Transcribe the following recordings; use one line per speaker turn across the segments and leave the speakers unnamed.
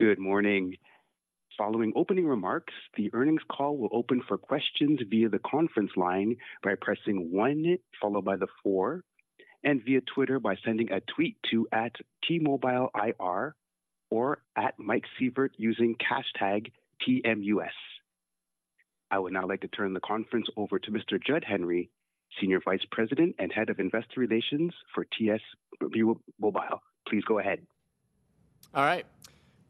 Good morning. Following opening remarks, the earnings call will open for questions via the conference line by pressing 1, followed by the 4, and via Twitter by sending a tweet to @TMobileIR or @MikeSievert, using hashtag TMUS. I would now like to turn the conference over to Mr. Jud Henry, Senior Vice President and Head of Investor Relations for T-Mobile. Please go ahead.
All right.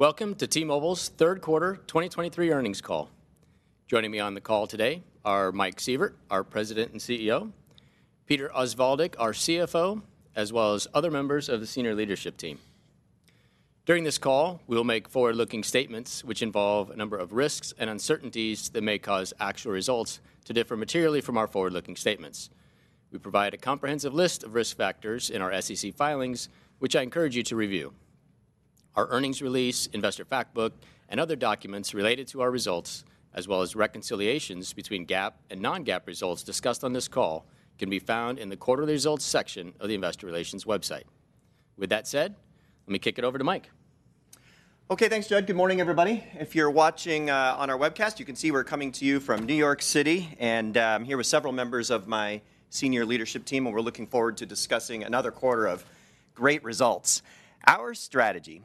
Welcome to T-Mobile's third quarter 2023 earnings call. Joining me on the call today are Mike Sievert, our President and CEO, Peter Osvaldik, our CFO, as well as other members of the senior leadership team. During this call, we'll make forward-looking statements which involve a number of risks and uncertainties that may cause actual results to differ materially from our forward-looking statements. We provide a comprehensive list of risk factors in our SEC filings, which I encourage you to review. Our earnings release, Investor Factbook, and other documents related to our results, as well as reconciliations between GAAP and non-GAAP results discussed on this call, can be found in the quarterly results section of the Investor Relations website. With that said, let me kick it over to Mike.
Okay, thanks, Jud. Good morning, everybody. If you're watching on our webcast, you can see we're coming to you from New York City, and I'm here with several members of my senior leadership team, and we're looking forward to discussing another quarter of great results. Our strategy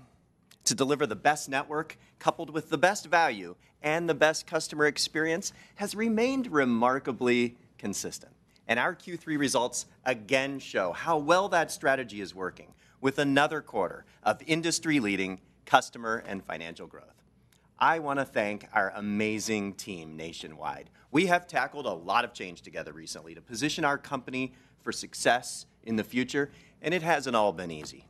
to deliver the best network, coupled with the best value and the best customer experience, has remained remarkably consistent. Our Q3 results again show how well that strategy is working, with another quarter of industry-leading customer and financial growth. I want to thank our amazing team nationwide. We have tackled a lot of change together recently to position our company for success in the future, and it hasn't all been easy.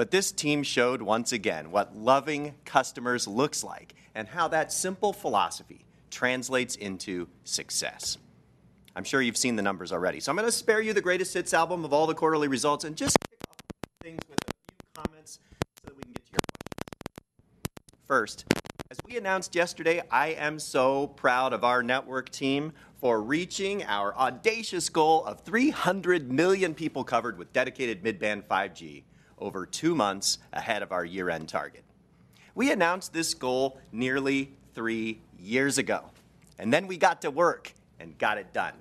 But this team showed once again what loving customers looks like and how that simple philosophy translates into success. I'm sure you've seen the numbers already, so I'm going to spare you the greatest hits album of all the quarterly results and just kick off things with a few comments so that we can get to your questions. First, as we announced yesterday, I am so proud of our network team for reaching our audacious goal of 300 million people covered with dedicated mid-band 5G over 2 months ahead of our year-end target. We announced this goal nearly 3 years ago, and then we got to work and got it done.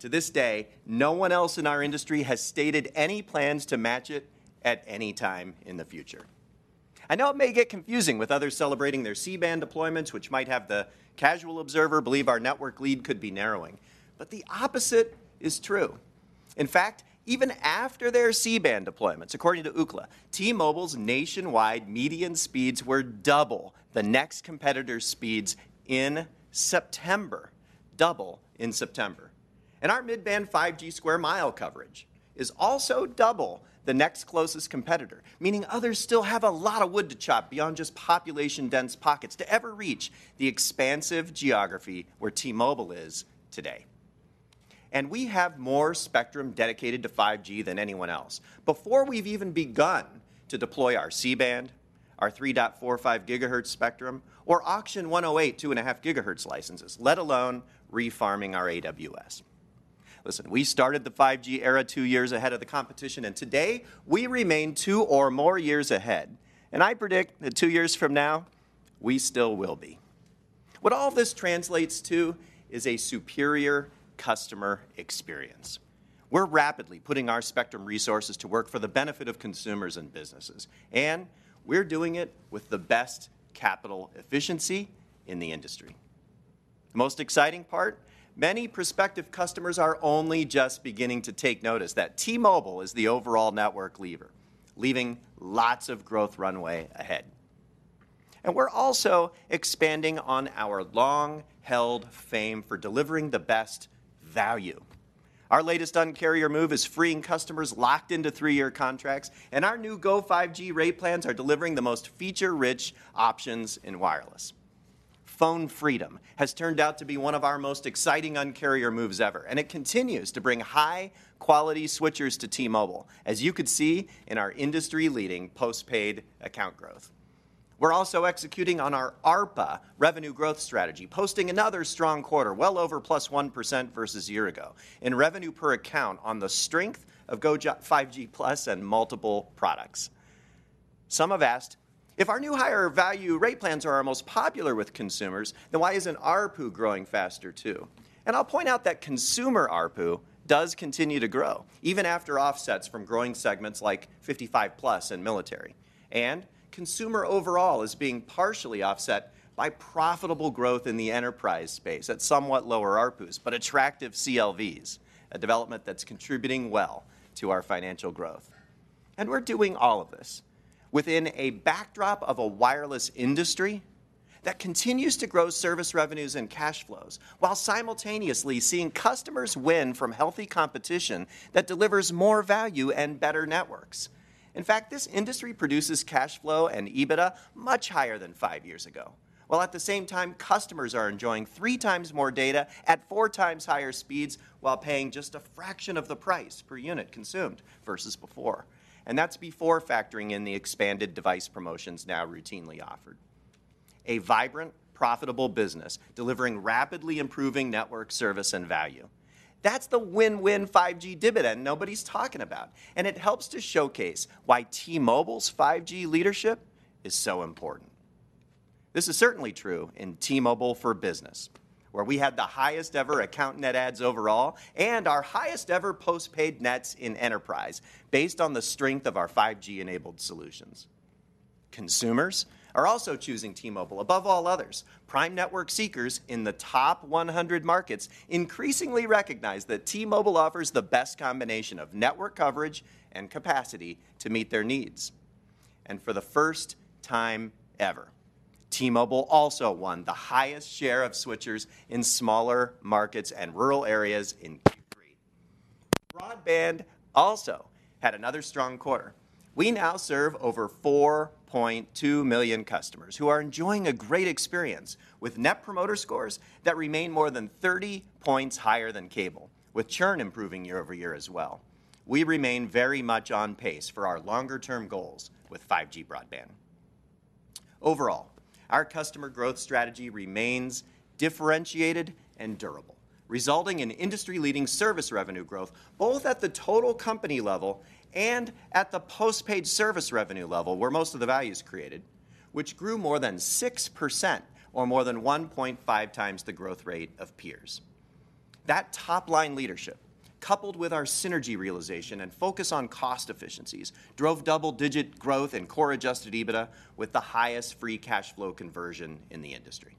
To this day, no one else in our industry has stated any plans to match it at any time in the future. I know it may get confusing with others celebrating their C-band deployments, which might have the casual observer believe our network lead could be narrowing, but the opposite is true. In fact, even after their C-band deployments, according to Ookla, T-Mobile's nationwide median speeds were double the next competitor's speeds in September. Double in September. Our mid-band 5G square mile coverage is also double the next closest competitor, meaning others still have a lot of wood to chop beyond just population-dense pockets to ever reach the expansive geography where T-Mobile is today. We have more spectrum dedicated to 5G than anyone else. Before we've even begun to deploy our C-band, our 3.45 gigahertz spectrum, or Auction 108, 2.5 gigahertz licenses, let alone refarming our AWS. Listen, we started the 5G era 2 years ahead of the competition, and today, we remain 2 or more years ahead. I predict that 2 years from now, we still will be. What all this translates to is a superior customer experience. We're rapidly putting our spectrum resources to work for the benefit of consumers and businesses, and we're doing it with the best capital efficiency in the industry. The most exciting part, many prospective customers are only just beginning to take notice that T-Mobile is the overall network leader, leaving lots of growth runway ahead. And we're also expanding on our long-held fame for delivering the best value. Our latest Un-carrier move is freeing customers locked into three-year contracts, and our new Go5G rate plans are delivering the most feature-rich options in wireless. Phone Freedom has turned out to be one of our most exciting Un-carrier moves ever, and it continues to bring high-quality switchers to T-Mobile, as you could see in our industry-leading postpaid account growth. We're also executing on our ARPA revenue growth strategy, posting another strong quarter, well over +1% versus year ago, in revenue per account on the strength of Go5G Plus and multiple products. Some have asked, "If our new higher value rate plans are our most popular with consumers, then why isn't ARPU growing faster, too?" I'll point out that consumer ARPU does continue to grow, even after offsets from growing segments like 55+ and Military. Consumer overall is being partially offset by profitable growth in the enterprise space at somewhat lower ARPUs, but attractive CLVs, a development that's contributing well to our financial growth. We're doing all of this within a backdrop of a wireless industry that continues to grow service revenues and cash flows, while simultaneously seeing customers win from healthy competition that delivers more value and better networks. In fact, this industry produces cash flow and EBITDA much higher than 5 years ago, while at the same time, customers are enjoying 3 times more data at 4 times higher speeds while paying just a fraction of the price per unit consumed versus before. And that's before factoring in the expanded device promotions now routinely offered... a vibrant, profitable business, delivering rapidly improving network service and value. That's the win-win 5G dividend nobody's talking about, and it helps to showcase why T-Mobile's 5G leadership is so important. This is certainly true in T-Mobile for Business, where we had the highest ever account net adds overall and our highest ever postpaid nets in enterprise, based on the strength of our 5G-enabled solutions. Consumers are also choosing T-Mobile above all others. Prime network seekers in the top 100 markets increasingly recognize that T-Mobile offers the best combination of network coverage and capacity to meet their needs. For the first time ever, T-Mobile also won the highest share of switchers in smaller markets and rural areas in Q3. Broadband also had another strong quarter. We now serve over 4.2 million customers who are enjoying a great experience, with Net Promoter Scores that remain more than 30 points higher than cable, with churn improving year-over-year as well. We remain very much on pace for our longer-term goals with 5G broadband. Overall, our customer growth strategy remains differentiated and durable, resulting in industry-leading service revenue growth, both at the total company level and at the postpaid service revenue level, where most of the value is created, which grew more than 6%, or more than 1.5 times the growth rate of peers. That top-line leadership, coupled with our synergy realization and focus on cost efficiencies, drove double-digit growth in Core Adjusted EBITDA, with the highest free cash flow conversion in the industry.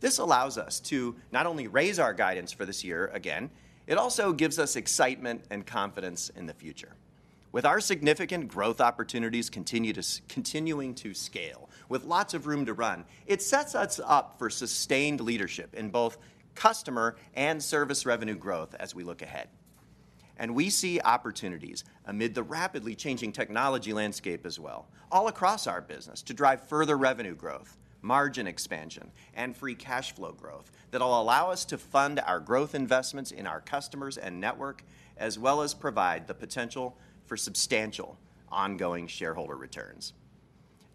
This allows us to not only raise our guidance for this year again, it also gives us excitement and confidence in the future. With our significant growth opportunities continuing to scale, with lots of room to run, it sets us up for sustained leadership in both customer and service revenue growth as we look ahead. We see opportunities amid the rapidly changing technology landscape as well, all across our business, to drive further revenue growth, margin expansion, and free cash flow growth that will allow us to fund our growth investments in our customers and network, as well as provide the potential for substantial ongoing shareholder returns.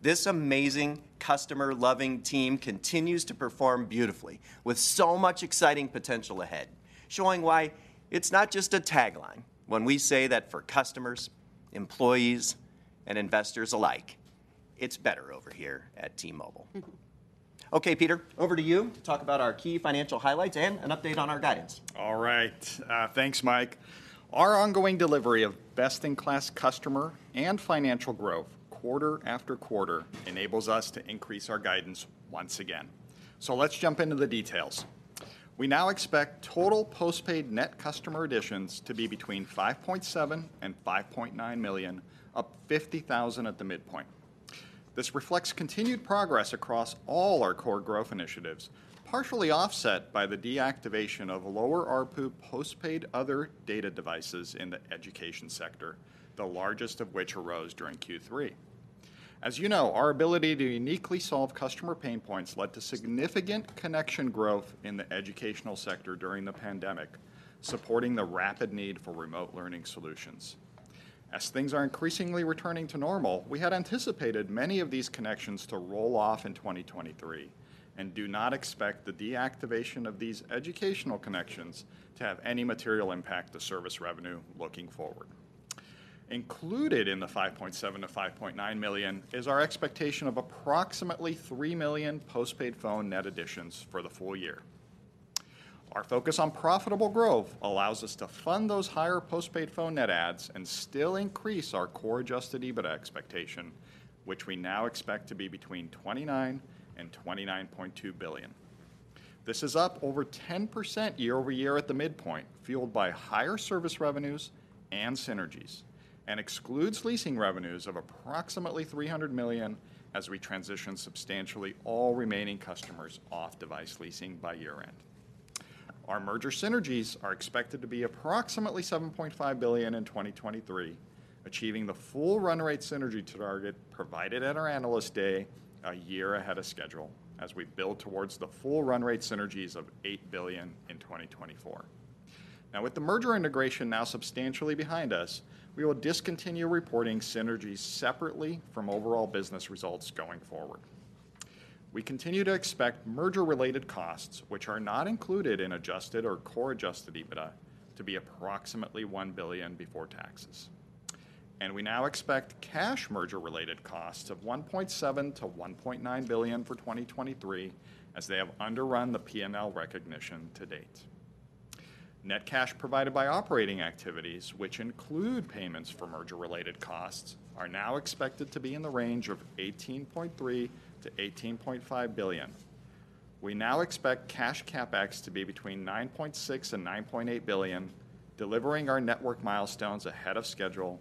This amazing, customer-loving team continues to perform beautifully, with so much exciting potential ahead, showing why it's not just a tagline when we say that for customers, employees, and investors alike, it's better over here at T-Mobile. Okay, Peter, over to you to talk about our key financial highlights and an update on our guidance.
All right. Thanks, Mike. Our ongoing delivery of best-in-class customer and financial growth quarter after quarter enables us to increase our guidance once again. So let's jump into the details. We now expect total postpaid net customer additions to be between 5.7 and 5.9 million, up 50,000 at the midpoint. This reflects continued progress across all our core growth initiatives, partially offset by the deactivation of lower ARPU Postpaid Other data devices in the education sector, the largest of which arose during Q3. As you know, our ability to uniquely solve customer pain points led to significant connection growth in the educational sector during the pandemic, supporting the rapid need for remote learning solutions. As things are increasingly returning to normal, we had anticipated many of these connections to roll off in 2023, and do not expect the deactivation of these educational connections to have any material impact to service revenue looking forward. Included in the 5.7-5.9 million is our expectation of approximately 3 million postpaid phone net additions for the full year. Our focus on profitable growth allows us to fund those higher postpaid phone net adds and still increase our Core Adjusted EBITDA expectation, which we now expect to be between $29-$29.2 billion. This is up over 10% year-over-year at the midpoint, fueled by higher service revenues and synergies, and excludes leasing revenues of approximately $300 million as we transition substantially all remaining customers off device leasing by year-end. Our merger synergies are expected to be approximately $7.5 billion in 2023, achieving the full run rate synergy target provided at our Analyst Day a year ahead of schedule, as we build towards the full run rate synergies of $8 billion in 2024. Now, with the merger integration now substantially behind us, we will discontinue reporting synergies separately from overall business results going forward. We continue to expect merger-related costs, which are not included in adjusted or Core Adjusted EBITDA, to be approximately $1 billion before taxes. We now expect cash merger-related costs of $1.7-$1.9 billion for 2023, as they have underrun the P&L recognition to date. Net cash provided by operating activities, which include payments for merger-related costs, are now expected to be in the range of $18.3-$18.5 billion. We now expect cash CapEx to be between $9.6 billion-$9.8 billion, delivering our network milestones ahead of schedule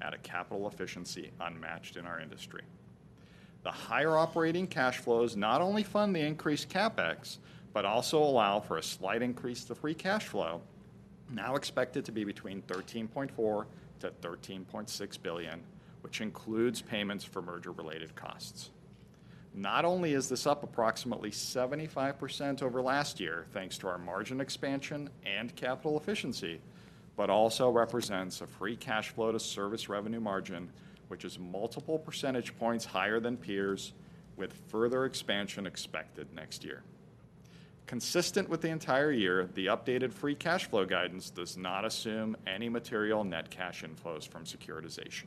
at a capital efficiency unmatched in our industry. The higher operating cash flows not only fund the increased CapEx, but also allow for a slight increase to free cash flow, now expected to be between $13.4 billion-$13.6 billion, which includes payments for merger-related costs. Not only is this up approximately 75% over last year, thanks to our margin expansion and capital efficiency, but also represents a free cash flow to service revenue margin, which is multiple percentage points higher than peers, with further expansion expected next year.... Consistent with the entire year, the updated free cash flow guidance does not assume any material net cash inflows from securitization.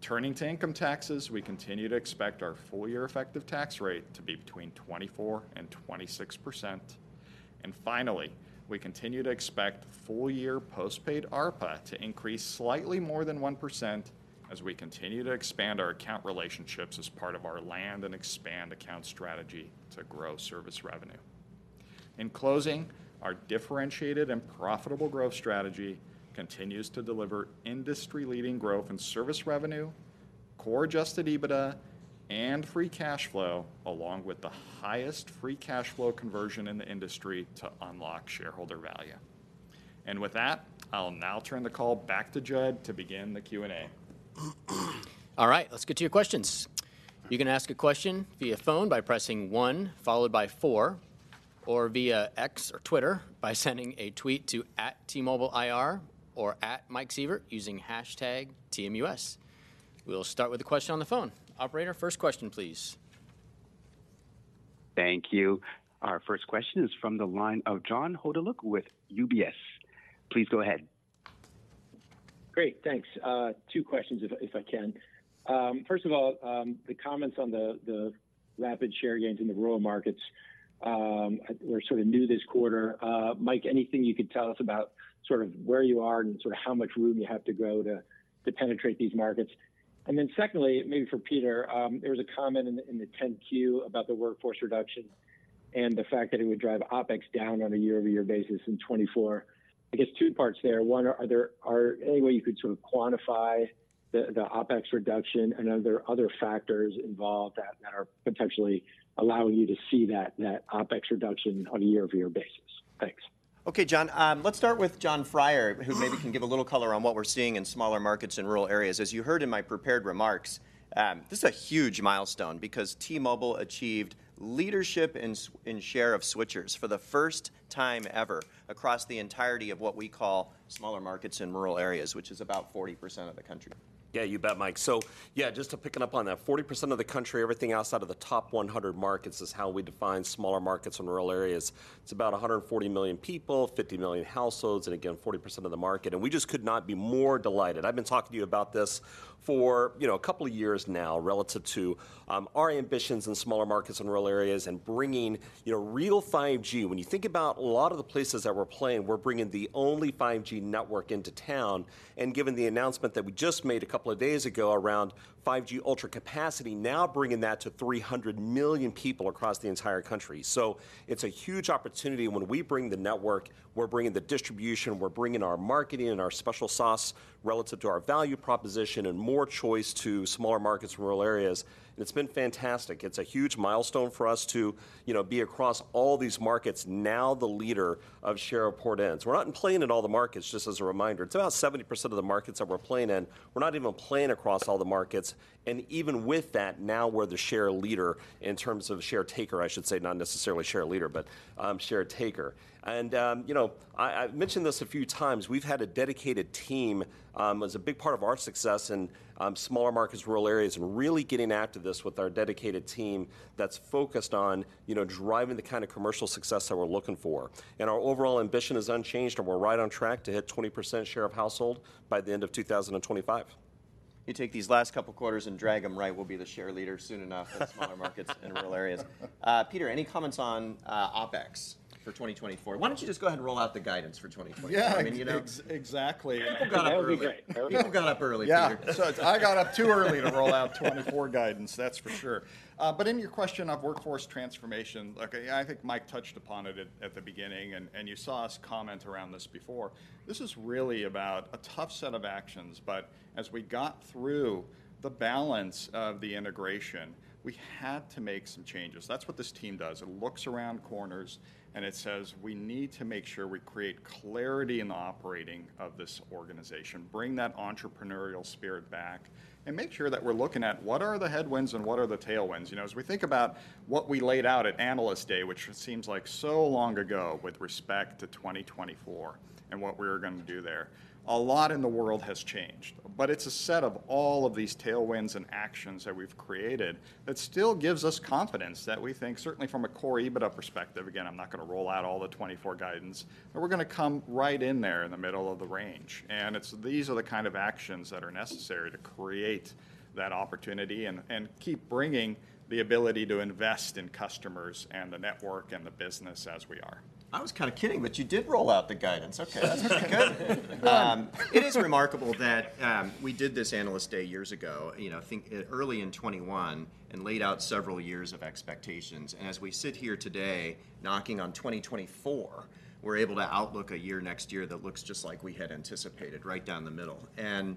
Turning to income taxes, we continue to expect our full-year effective tax rate to be between 24%-26%. Finally, we continue to expect full-year postpaid ARPA to increase slightly more than 1% as we continue to expand our account relationships as part of our land and expand account strategy to grow service revenue. In closing, our differentiated and profitable growth strategy continues to deliver industry-leading growth in service revenue, Core Adjusted EBITDA, and free cash flow, along with the highest free cash flow conversion in the industry to unlock shareholder value. And with that, I'll now turn the call back to Jud to begin the Q&A.
All right, let's get to your questions. You can ask a question via phone by pressing 1 followed by 4, or via X or Twitter by sending a tweet to @TMobileIR or @MikeSievert, using #TMUS. We'll start with a question on the phone. Operator, first question, please.
Thank you. Our first question is from the line of John Hodulik with UBS. Please go ahead.
Great, thanks. Two questions if I can. First of all, the comments on the rapid share gains in the rural markets were sort of new this quarter. Mike, anything you could tell us about sort of where you are and sort of how much room you have to grow to penetrate these markets? And then secondly, maybe for Peter, there was a comment in the 10-Q about the workforce reduction and the fact that it would drive OpEx down on a year-over-year basis in 2024. I guess two parts there. One, are there any way you could sort of quantify the OpEx reduction? And are there other factors involved that are potentially allowing you to see that OpEx reduction on a year-over-year basis? Thanks.
Okay, John. Let's start with Jon Freier, who maybe can give a little color on what we're seeing in smaller markets in rural areas. As you heard in my prepared remarks, this is a huge milestone because T-Mobile achieved leadership in share of switchers for the first time ever across the entirety of what we call smaller markets in rural areas, which is about 40% of the country.
Yeah, you bet, Mike. So yeah, just to picking up on that, 40% of the country, everything outside of the top 100 markets is how we define smaller markets in rural areas. It's about 140 million people, 50 million households, and again, 40% of the market, and we just could not be more delighted. I've been talking to you about this for, you know, a couple of years now relative to our ambitions in smaller markets and rural areas and bringing, you know, real 5G. When you think about a lot of the places that we're playing, we're bringing the only 5G network into town, and given the announcement that we just made a couple of days ago around 5G Ultra Capacity, now bringing that to 300 million people across the entire country. So it's a huge opportunity, and when we bring the network, we're bringing the distribution, we're bringing our marketing and our special sauce relative to our value proposition and more choice to smaller markets, rural areas. And it's been fantastic. It's a huge milestone for us to, you know, be across all these markets now the leader of share of port-ins. We're not even playing in all the markets, just as a reminder. It's about 70% of the markets that we're playing in. We're not even playing across all the markets, and even with that, now we're the share leader in terms of share taker, I should say, not necessarily share leader, but share taker. And, you know, I, I've mentioned this a few times. We've had a dedicated team, as a big part of our success in, smaller markets, rural areas, and really getting after this with our dedicated team that's focused on, you know, driving the kind of commercial success that we're looking for. Our overall ambition is unchanged, and we're right on track to hit 20% share of household by the end of 2025.
You take these last couple of quarters and drag them right, we'll be the share leader soon enough in smaller markets in rural areas. Peter, any comments on OpEx for 2024? Why don't you just go ahead and roll out the guidance for 2024?
Yeah.
I mean, you know-
Ex- exactly.
People got up early.
That would be great.
People got up early, Peter.
Yeah. So I got up too early to roll out 2024 guidance, that's for sure. But in your question of workforce transformation, look, I think Mike touched upon it at the beginning, and you saw us comment around this before. This is really about a tough set of actions, but as we got through the balance of the integration, we had to make some changes. That's what this team does. It looks around corners, and it says: We need to make sure we create clarity in the operating of this organization, bring that entrepreneurial spirit back, and make sure that we're looking at what are the headwinds and what are the tailwinds. You know, as we think about what we laid out at Analyst Day, which it seems like so long ago with respect to 2024 and what we were gonna do there, a lot in the world has changed. But it's a set of all of these tailwinds and actions that we've created that still gives us confidence that we think, certainly from a Core EBITDA perspective, again, I'm not gonna roll out all the 2024 guidance, but we're gonna come right in there in the middle of the range. And it's these are the kind of actions that are necessary to create that opportunity and, and keep bringing the ability to invest in customers and the network and the business as we are.
I was kind of kidding, but you did roll out the guidance. Okay. That's good. It is remarkable that we did this Analyst Day years ago, you know, I think early in 2021, and laid out several years of expectations. And as we sit here today, knocking on 2024, we're able to outlook a year next year that looks just like we had anticipated, right down the middle. And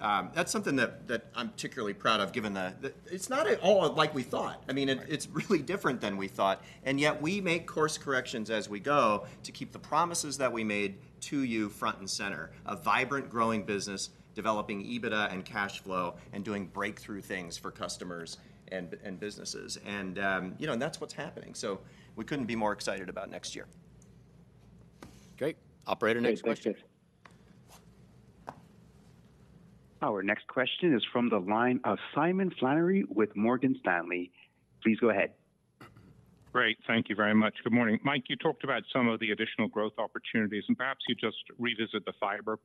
that's something that I'm particularly proud of, given that it's not at all like we thought. I mean-
Right...
it's really different than we thought, and yet we make course corrections as we go to keep the promises that we made to you front and center, a vibrant, growing business, developing EBITDA and cash flow, and doing breakthrough things for customers and businesses. And, you know, and that's what's happening, so we couldn't be more excited about next year. Great. Operator, next question.
Our next question is from the line of Simon Flannery with Morgan Stanley. Please go ahead.
Great, thank you very much. Good morning. Mike, you talked about some of the additional growth opportunities, and perhaps you just revisit the fiber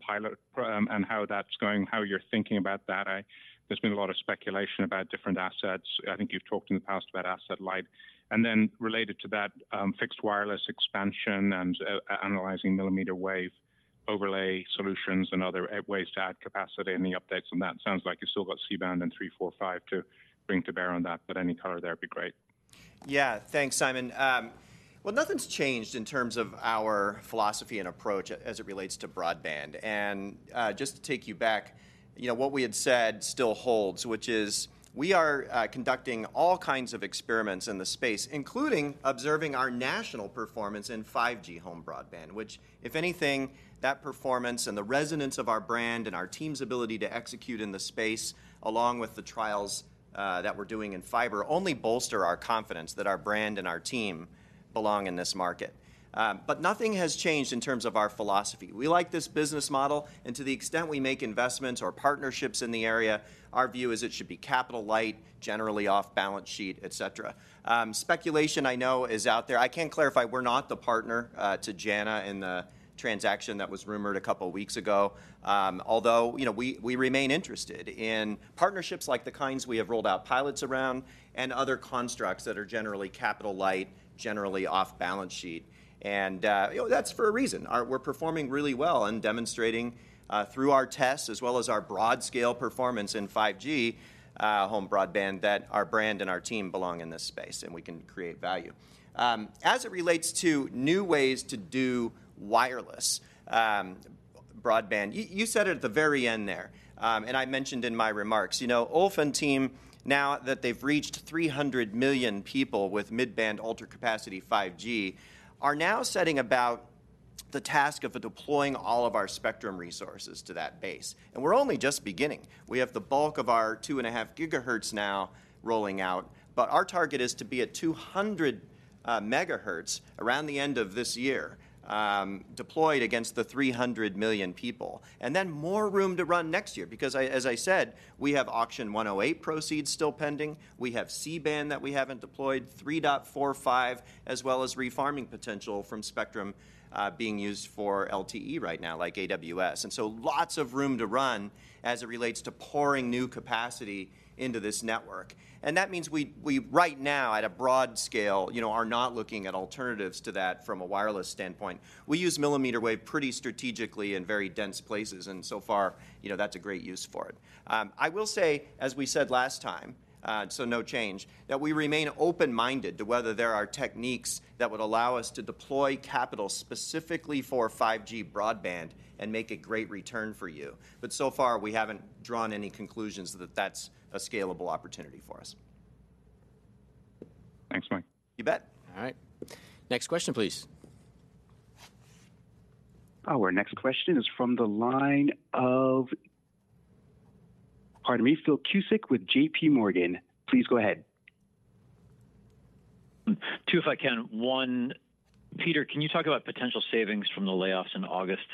pilot program and how that's going, how you're thinking about that. I... There's been a lot of speculation about different assets. I think you've talked in the past about asset light. And then related to that, fixed wireless expansion and analyzing millimeter wave overlay solutions and other ways to add capacity. Any updates on that? Sounds like you've still got C-band and 3.45 to bring to bear on that, but any color there would be great.
Yeah, thanks, Simon. Well, nothing's changed in terms of our philosophy and approach as it relates to broadband. Just to take you back, you know, what we had said still holds, which is we are conducting all kinds of experiments in the space, including observing our national performance in 5G home broadband, which, if anything, that performance and the resonance of our brand and our team's ability to execute in the space, along with the trials that we're doing in fiber, only bolster our confidence that our brand and our team belong in this market. But nothing has changed in terms of our philosophy. We like this business model, and to the extent we make investments or partnerships in the area, our view is it should be capital light, generally off balance sheet, et cetera. Speculation, I know, is out there. I can clarify, we're not the partner to Jana in the transaction that was rumored a couple of weeks ago, although, you know, we remain interested in partnerships like the kinds we have rolled out pilots around and other constructs that are generally capital light, generally off balance sheet, and, you know, that's for a reason. We're performing really well and demonstrating through our tests, as well as our broad scale performance in 5G home broadband, that our brand and our team belong in this space, and we can create value. As it relates to new ways to do wireless, broadband, you said it at the very end there, and I mentioned in my remarks, you know, Ulf's team, now that they've reached 300 million people with mid-band Ultra Capacity 5G, are now setting about the task of deploying all of our spectrum resources to that base, and we're only just beginning. We have the bulk of our 2.5 gigahertz now rolling out, but our target is to be at 200 megahertz around the end of this year, deployed against the 300 million people, and then more room to run next year, because as I said, we have auction 108 proceeds still pending, we have C-band that we haven't deployed, 3.45, as well as refarming potential from spectrum being used for LTE right now, like AWS. And so lots of room to run as it relates to pouring new capacity into this network. And that means we, right now, at a broad scale, you know, are not looking at alternatives to that from a wireless standpoint. We use millimeter wave pretty strategically in very dense places, and so far, you know, that's a great use for it. I will say, as we said last time, so no change, that we remain open-minded to whether there are techniques that would allow us to deploy capital specifically for 5G broadband and make a great return for you. But so far, we haven't drawn any conclusions that that's a scalable opportunity for us.
Thanks, Mike.
You bet.
All right. Next question, please.
Our next question is from the line of... Pardon me, Phil Cusick with JP Morgan. Please go ahead.
2, if I can. 1, Peter, can you talk about potential savings from the layoffs in August,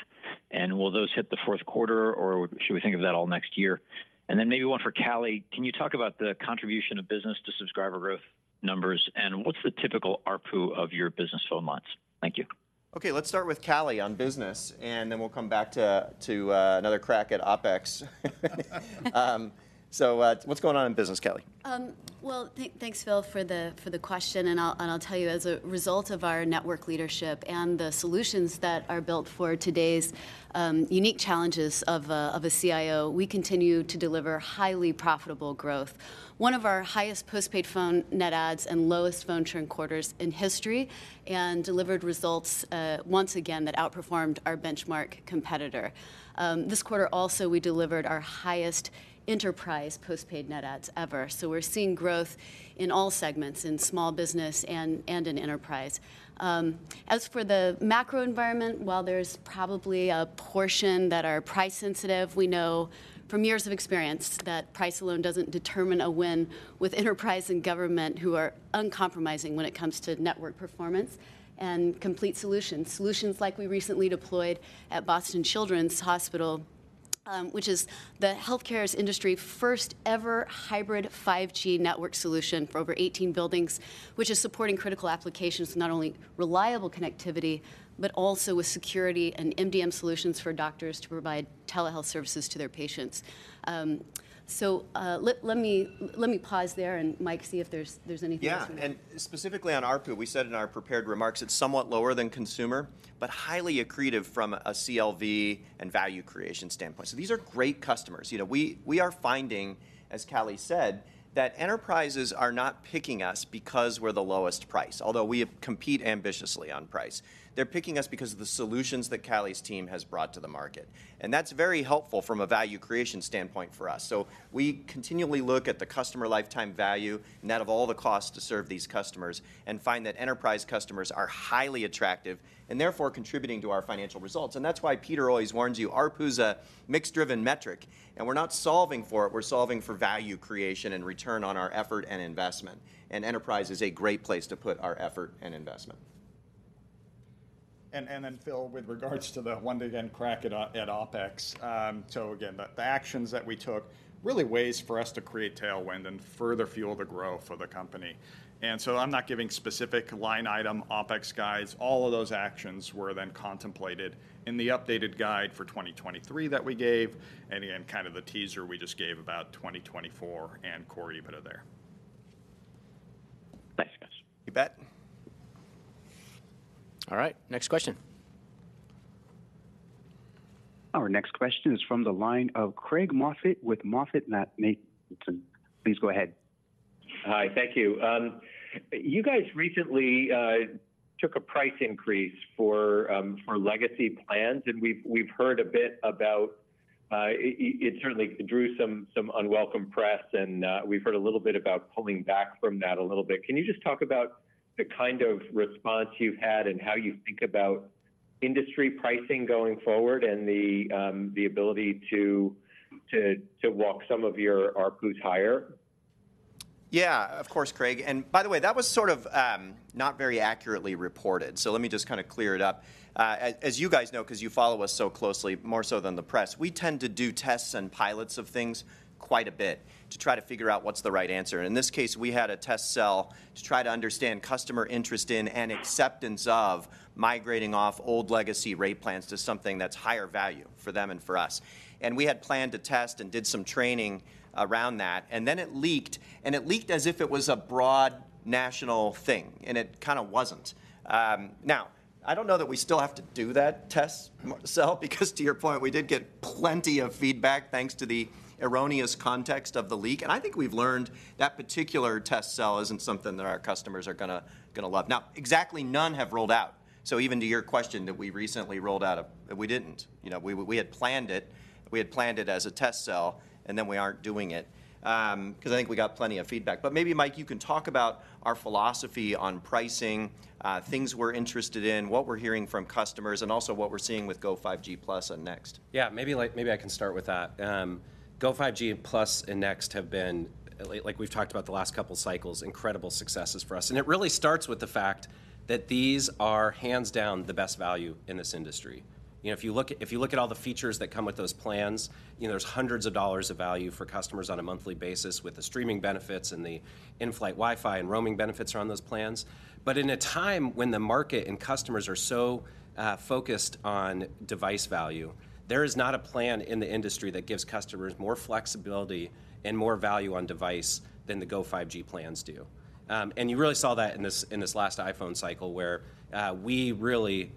and will those hit the fourth quarter, or should we think of that all next year? And then maybe 1 for Callie. Can you talk about the contribution of business to subscriber growth numbers, and what's the typical ARPU of your business phone lines? Thank you.
Okay, let's start with Callie on business, and then we'll come back to another crack at OpEx. So, what's going on in business, Callie?
Well, thanks, Phil, for the question, and I'll tell you, as a result of our network leadership and the solutions that are built for today's unique challenges of a CIO, we continue to deliver highly profitable growth. One of our highest postpaid phone net adds and lowest phone churn quarters in history, and delivered results, once again, that outperformed our benchmark competitor. This quarter also, we delivered our highest enterprise postpaid net adds ever. So we're seeing growth in all segments, in small business and in enterprise. As for the macro environment, while there's probably a portion that are price sensitive, we know from years of experience that price alone doesn't determine a win with enterprise and government who are uncompromising when it comes to network performance and complete solutions. Solutions like we recently deployed at Boston Children's Hospital, which is the healthcare industry's first ever hybrid 5G network solution for over 18 buildings, which is supporting critical applications, not only reliable connectivity, but also with security and MDM solutions for doctors to provide telehealth services to their patients. So, let me pause there, and Mike, see if there's anything-
Yeah, and specifically on ARPU, we said in our prepared remarks, it's somewhat lower than consumer, but highly accretive from a CLV and value creation standpoint. So these are great customers. You know, we are finding, as Callie said, that enterprises are not picking us because we're the lowest price, although we compete ambitiously on price. They're picking us because of the solutions that Callie's team has brought to the market, and that's very helpful from a value creation standpoint for us. So we continually look at the customer lifetime value, net of all the costs to serve these customers, and find that enterprise customers are highly attractive, and therefore contributing to our financial results. That's why Peter always warns you, ARPU is a mix-driven metric, and we're not solving for it, we're solving for value creation and return on our effort and investment, and enterprise is a great place to put our effort and investment. ...
and then Phil, with regards to the one-time crack at OpEx, so again, the actions that we took, really ways for us to create tailwind and further fuel the growth of the company. And so I'm not giving specific line item OpEx guides. All of those actions were then contemplated in the updated guide for 2023 that we gave, and again, kind of the teaser we just gave about 2024 and Core EBITDA are there.
Thanks, guys.
You bet. All right, next question.
Our next question is from the line of Craig Moffett with MoffettNathanson. Please go ahead.
Hi, thank you. You guys recently took a price increase for legacy plans, and we've heard a bit about it. It certainly drew some unwelcome press, and we've heard a little bit about pulling back from that a little bit. Can you just talk about the kind of response you've had, and how you think about industry pricing going forward, and the ability to walk some of your ARPU higher?
Yeah, of course, Craig, and by the way, that was sort of, not very accurately reported, so let me just kinda clear it up. As you guys know, 'cause you follow us so closely, more so than the press, we tend to do tests and pilots of things quite a bit to try to figure out what's the right answer. In this case, we had a test cell to try to understand customer interest in and acceptance of migrating off old legacy rate plans to something that's higher value for them and for us. And we had planned to test and did some training around that, and then it leaked, and it leaked as if it was a broad, national thing, and it kinda wasn't. Now, I don't know that we still have to do that test cell because to your point, we did get plenty of feedback, thanks to the erroneous context of the leak, and I think we've learned that particular test cell isn't something that our customers are gonna love. Now, exactly none have rolled out, so even to your question that we recently rolled out a... We didn't. You know, we had planned it. We had planned it as a test cell, and then we aren't doing it 'cause I think we got plenty of feedback. But maybe Mike, you can talk about our philosophy on pricing, things we're interested in, what we're hearing from customers, and also what we're seeing with Go5G Plus and Next.
Yeah, maybe like, maybe I can start with that. Go5G Plus and Next have been, like, like we've talked about the last couple cycles, incredible successes for us, and it really starts with the fact that these are hands down the best value in this industry. You know, if you look at - if you look at all the features that come with those plans, you know, there's hundreds of dollars of value for customers on a monthly basis, with the streaming benefits and the in-flight Wi-Fi and roaming benefits are on those plans. But in a time when the market and customers are so, focused on device value, there is not a plan in the industry that gives customers more flexibility and more value on device than the Go5G plans do. And you really saw that in this last iPhone cycle, where we really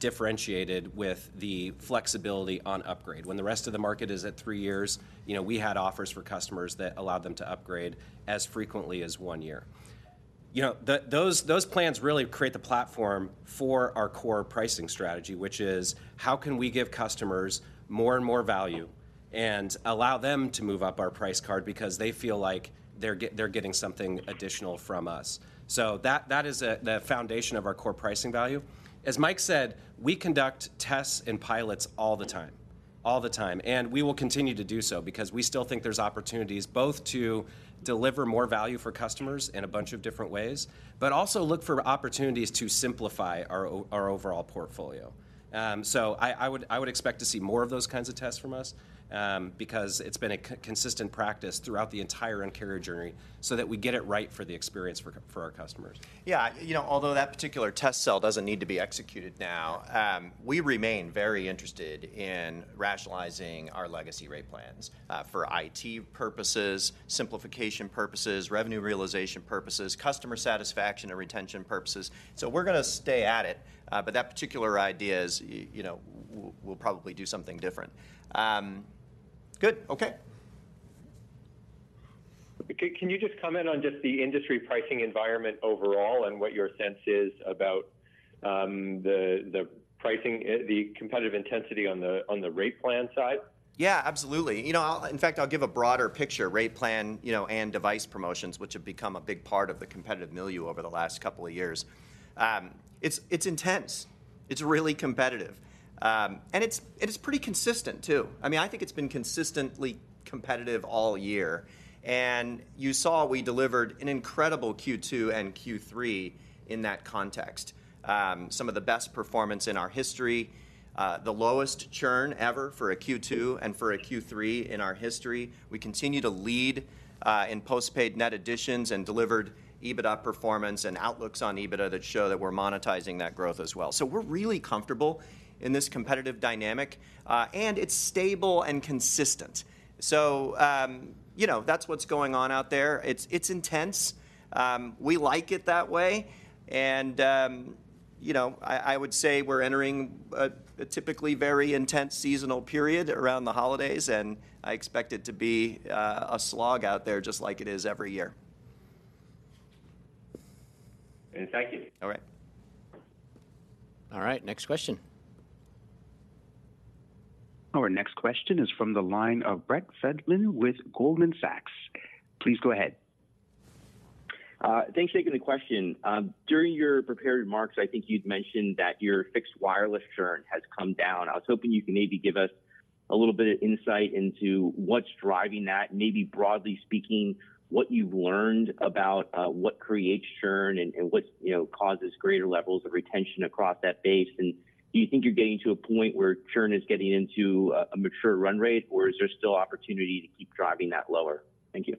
differentiated with the flexibility on upgrade. When the rest of the market is at three years, you know, we had offers for customers that allowed them to upgrade as frequently as one year. You know, those plans really create the platform for our core pricing strategy, which is: how can we give customers more and more value and allow them to move up our price card because they feel like they're getting something additional from us? So that is the foundation of our core pricing value. As Mike said, we conduct tests and pilots all the time, all the time, and we will continue to do so because we still think there's opportunities both to deliver more value for customers in a bunch of different ways, but also look for opportunities to simplify our our overall portfolio. So I would expect to see more of those kinds of tests from us, because it's been a consistent practice throughout the entire Un-carrier journey, so that we get it right for the experience for our customers.
Yeah, you know, although that particular test cell doesn't need to be executed now, we remain very interested in rationalizing our legacy rate plans, for IT purposes, simplification purposes, revenue realization purposes, customer satisfaction and retention purposes. So we're gonna stay at it, but that particular idea is, you know, we'll probably do something different. Good. Okay.
Can you just comment on just the industry pricing environment overall, and what your sense is about the pricing, the competitive intensity on the rate plan side?
Yeah, absolutely. You know, I'll. In fact, I'll give a broader picture, rate plan, you know, and device promotions, which have become a big part of the competitive milieu over the last couple of years. It's, it's intense. It's really competitive. And it's, it's pretty consistent, too. I mean, I think it's been consistently competitive all year, and you saw we delivered an incredible Q2 and Q3 in that context. Some of the best performance in our history, the lowest churn ever for a Q2 and for a Q3 in our history. We continue to lead in postpaid net additions and delivered EBITDA performance and outlooks on EBITDA that show that we're monetizing that growth as well. So we're really comfortable in this competitive dynamic, and it's stable and consistent. So, you know, that's what's going on out there. It's intense, we like it that way, and you know, I would say we're entering a typically very intense seasonal period around the holidays, and I expect it to be a slog out there, just like it is every year.
Thank you.
All right. All right, next question.
Our next question is from the line of Brett Feldman with Goldman Sachs. Please go ahead.
Thanks for taking the question. During your prepared remarks, I think you'd mentioned that your fixed wireless churn has come down. I was hoping you could maybe give us a little bit of insight into what's driving that, maybe broadly speaking, what you've learned about, what creates churn and, and what, you know, causes greater levels of retention across that base? And do you think you're getting to a point where churn is getting into a, a mature run rate, or is there still opportunity to keep driving that lower? Thank you.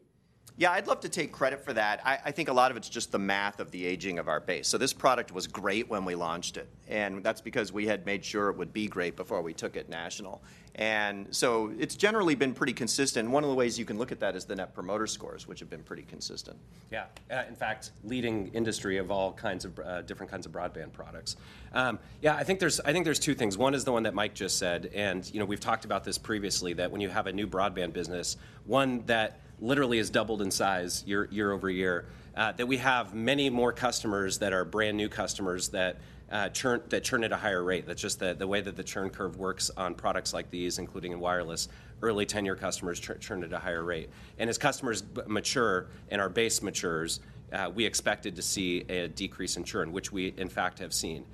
Yeah, I'd love to take credit for that. I, I think a lot of it's just the math of the aging of our base. So this product was great when we launched it, and that's because we had made sure it would be great before we took it national. And so it's generally been pretty consistent. One of the ways you can look at that is the Net Promoter Scores, which have been pretty consistent.
Yeah, in fact, leading industry of all kinds of different kinds of broadband products. Yeah, I think there's, I think there's two things. One is the one that Mike just said, and, you know, we've talked about this previously, that when you have a new broadband business, one that literally has doubled in size year-over-year, that we have many more customers that are brand-new customers that, churn, that churn at a higher rate. That's just the way that the churn curve works on products like these, including in wireless. Early tenure customers churn at a higher rate. And as customers mature and our base matures, we expected to see a decrease in churn, which we, in fact, have seen.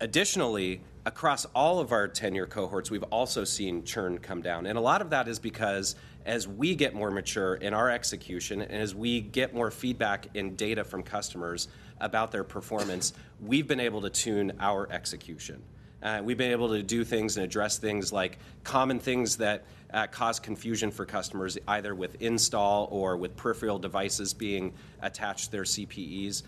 Additionally, across all of our tenure cohorts, we've also seen churn come down, and a lot of that is because as we get more mature in our execution, and as we get more feedback and data from customers about their performance, we've been able to tune our execution. We've been able to do things and address things like common things that cause confusion for customers, either with install or with peripheral devices being attached to their CPEs.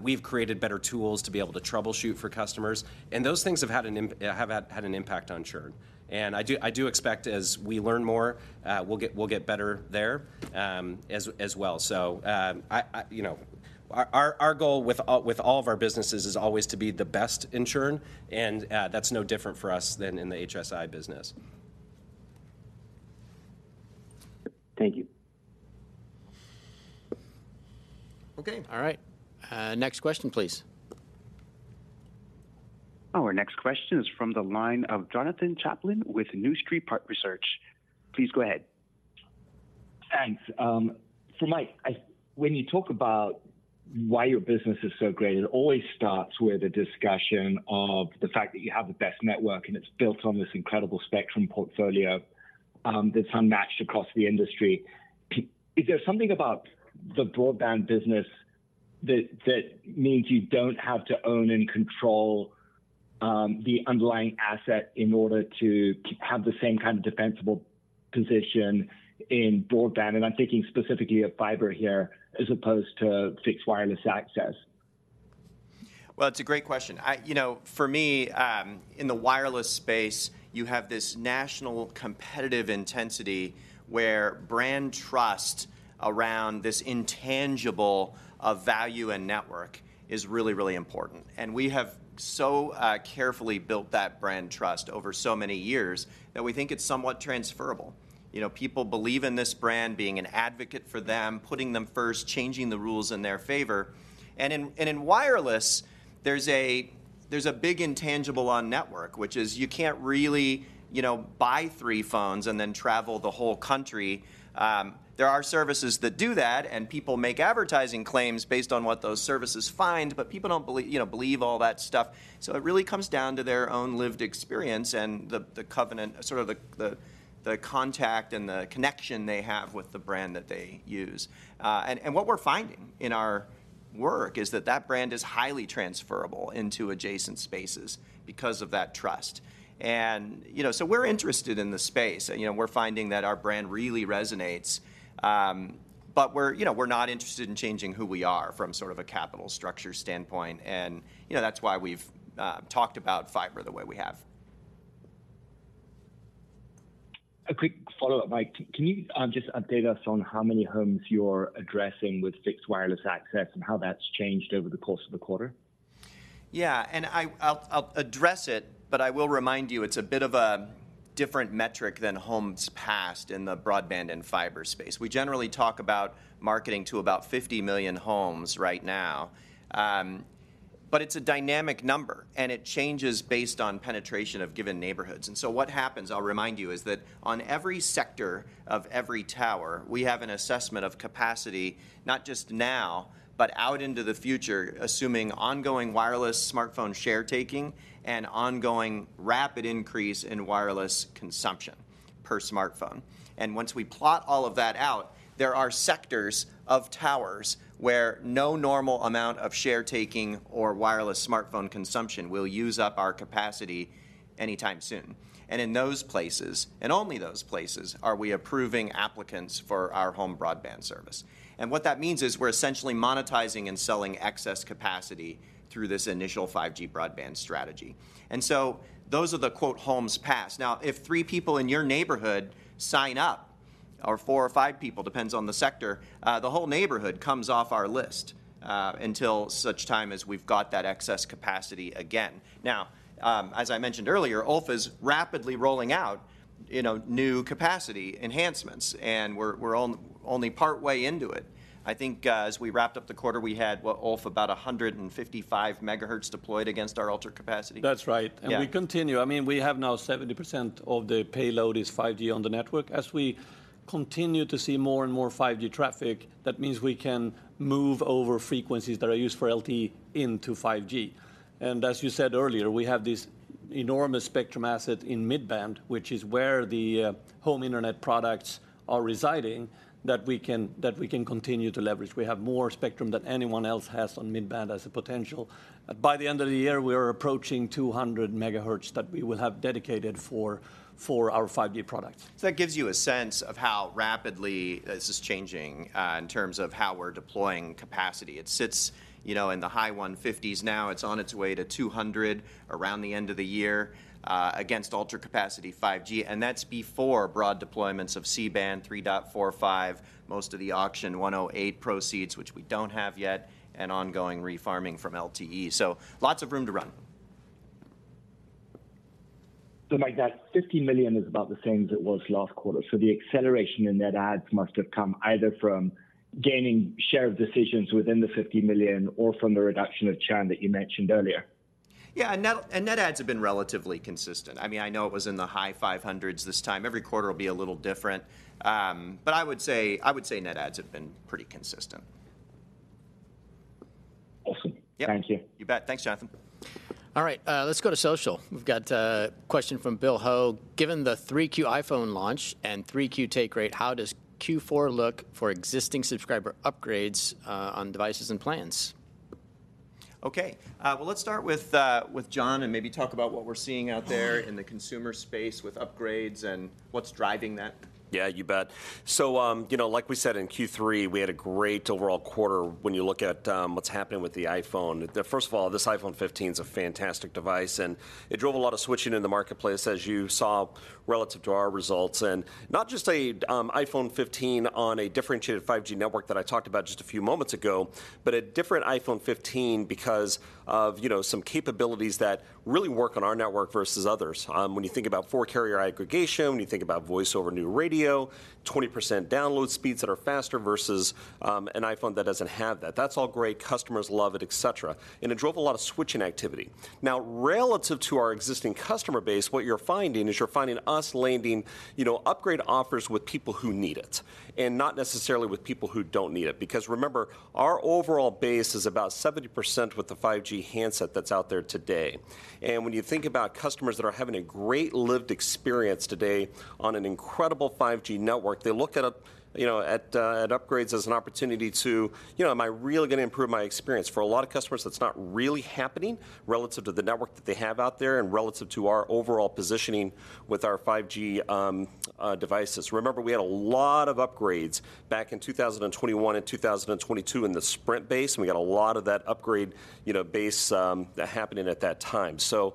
We've created better tools to be able to troubleshoot for customers, and those things have had an impact on churn. And I do expect as we learn more, we'll get better there, as well. So, I... You know, our goal with all of our businesses is always to be the best in churn, and that's no different for us than in the HSI business.
Thank you.
Okay. All right. Next question, please.
Our next question is from the line of Jonathan Chaplin with New Street Research. Please go ahead.
Thanks. So Mike, when you talk about why your business is so great, it always starts with a discussion of the fact that you have the best network, and it's built on this incredible spectrum portfolio that's unmatched across the industry. Is there something about the broadband business that means you don't have to own and control the underlying asset in order to have the same kind of defensible position in broadband? And I'm thinking specifically of fiber here, as opposed to fixed wireless access.
Well, it's a great question. You know, for me, in the wireless space, you have this national competitive intensity where brand trust around this intangible of value and network is really, really important. And we have so carefully built that brand trust over so many years that we think it's somewhat transferable. You know, people believe in this brand being an advocate for them, putting them first, changing the rules in their favor. And in wireless, there's a big intangible on network, which is you can't really, you know, buy three phones and then travel the whole country. There are services that do that, and people make advertising claims based on what those services find, but people don't believe, you know, all that stuff. So it really comes down to their own lived experience and the covenant, sort of the contact and the connection they have with the brand that they use. And what we're finding in our work is that that brand is highly transferable into adjacent spaces because of that trust. And, you know, so we're interested in the space, and, you know, we're finding that our brand really resonates. But we're, you know, we're not interested in changing who we are from sort of a capital structure standpoint. And, you know, that's why we've talked about fiber the way we have.
A quick follow-up, Mike. Can you just update us on how many homes you're addressing with fixed wireless access and how that's changed over the course of the quarter?
Yeah, and I'll address it, but I will remind you, it's a bit of a different metric than homes passed in the broadband and fiber space. We generally talk about marketing to about 50 million homes right now. But it's a dynamic number, and it changes based on penetration of given neighborhoods. And so what happens, I'll remind you, is that on every sector of every tower, we have an assessment of capacity, not just now, but out into the future, assuming ongoing wireless smartphone share taking and ongoing rapid increase in wireless consumption per smartphone. And once we plot all of that out, there are sectors of towers where no normal amount of share taking or wireless smartphone consumption will use up our capacity anytime soon. And in those places, and only those places, are we approving applicants for our home broadband service. What that means is we're essentially monetizing and selling excess capacity through this initial 5G broadband strategy. So those are the, quote, "homes passed." Now, if 3 people in your neighborhood sign up, or 4 or 5 people, depends on the sector, the whole neighborhood comes off our list, until such time as we've got that excess capacity again. Now, as I mentioned earlier, Ulf is rapidly rolling out, you know, new capacity enhancements, and we're only partway into it. I think, as we wrapped up the quarter, we had, what, Ulf, about 155 MHz deployed against our Ultra Capacity?
That's right.
Yeah.
We continue. I mean, we have now 70% of the payload is 5G on the network. As we continue to see more and more 5G traffic, that means we can move over frequencies that are used for LTE into 5G. And as you said earlier, we have this enormous spectrum asset in mid-band, which is where the home internet products are residing, that we can continue to leverage. We have more spectrum than anyone else has on mid-band as a potential. By the end of the year, we are approaching 200 MHz that we will have dedicated for our 5G products.
So that gives you a sense of how rapidly this is changing in terms of how we're deploying capacity. It sits, you know, in the high 150s now. It's on its way to 200 around the end of the year against Ultra Capacity 5G, and that's before broad deployments of C-band, 3.45, most of the auction 108 proceeds, which we don't have yet, and ongoing refarming from LTE. So lots of room to run.
So Mike, that 50 million is about the same as it was last quarter, so the acceleration in net adds must have come either from gaining share of decisions within the 50 million or from the reduction of churn that you mentioned earlier?
Yeah, net, and net adds have been relatively consistent. I mean, I know it was in the high 500s this time. Every quarter will be a little different. But I would say, I would say net adds have been pretty consistent.
Awesome.
Yep.
Thank you.
You bet. Thanks, Jonathan.
All right, let's go to social. We've got a question from Bill Ho: "Given the Q3 iPhone launch and Q3 take rate, how does Q4 look for existing subscriber upgrades on devices and plans?
Okay, well, let's start with John and maybe talk about what we're seeing out there in the consumer space with upgrades and what's driving that.
Yeah, you bet. So, you know, like we said, in Q3, we had a great overall quarter when you look at what's happening with the iPhone. First of all, this iPhone 15 is a fantastic device, and it drove a lot of switching in the marketplace, as you saw relative to our results. And not just a iPhone 15 on a differentiated 5G network that I talked about just a few moments ago, but a different iPhone 15 because of, you know, some capabilities that really work on our network versus others. When you think about four-carrier aggregation, when you think about Voice over New Radio, 20% download speeds that are faster versus an iPhone that doesn't have that. That's all great, customers love it, et cetera, and it drove a lot of switching activity. Now, relative to our existing customer base, what you're finding is you're finding us landing, you know, upgrade offers with people who need it, and not necessarily with people who don't need it. Because remember, our overall base is about 70% with the 5G handset that's out there today. And when you think about customers that are having a great lived experience today on an incredible 5G network, they look at a, you know, at, at upgrades as an opportunity to, "You know, am I really gonna improve my experience?" For a lot of customers, that's not really happening relative to the network that they have out there and relative to our overall positioning with our 5G devices. Remember, we had a lot of upgrades back in 2021 and 2022 in the Sprint base, and we got a lot of that upgrade, you know, base, happening at that time. So,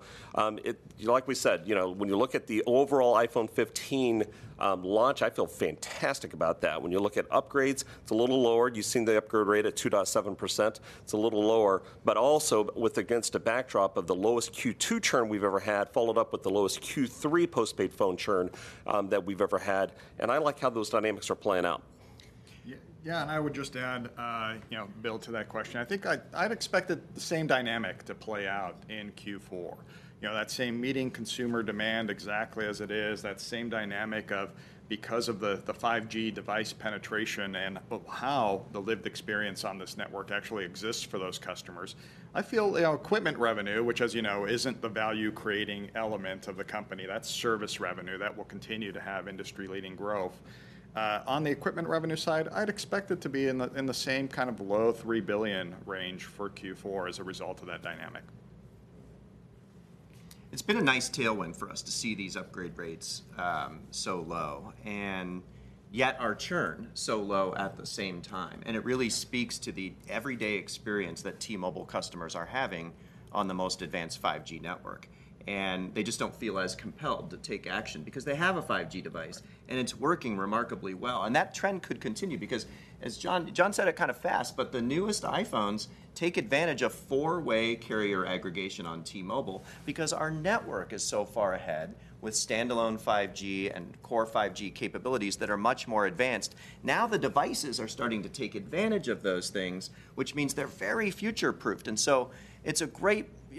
like we said, you know, when you look at the overall iPhone 15 launch, I feel fantastic about that. When you look at upgrades, it's a little lower. You've seen the upgrade rate at 2.7%. It's a little lower, but also with against a backdrop of the lowest Q2 churn we've ever had, followed up with the lowest Q3 postpaid phone churn that we've ever had, and I like how those dynamics are playing out.
Yeah, and I would just add, you know, Bill, to that question, I think I'd expected the same dynamic to play out in Q4. You know, that same meeting consumer demand exactly as it is, that same dynamic of because of the 5G device penetration and of how the lived experience on this network actually exists for those customers. I feel, you know, equipment revenue, which as you know, isn't the value-creating element of the company. That's service revenue. That will continue to have industry-leading growth. On the equipment revenue side, I'd expect it to be in the same kind of low $3 billion range for Q4 as a result of that dynamic.
It's been a nice tailwind for us to see these upgrade rates so low, and yet our churn so low at the same time, and it really speaks to the everyday experience that T-Mobile customers are having on the most advanced 5G network. They just don't feel as compelled to take action because they have a 5G device, and it's working remarkably well. That trend could continue because, as John said it kind of fast, but the newest iPhones take advantage of 4-way carrier aggregation on T-Mobile because our network is so far ahead with Standalone 5G and core 5G capabilities that are much more advanced. Now, the devices are starting to take advantage of those things, which means they're very future-proofed, and so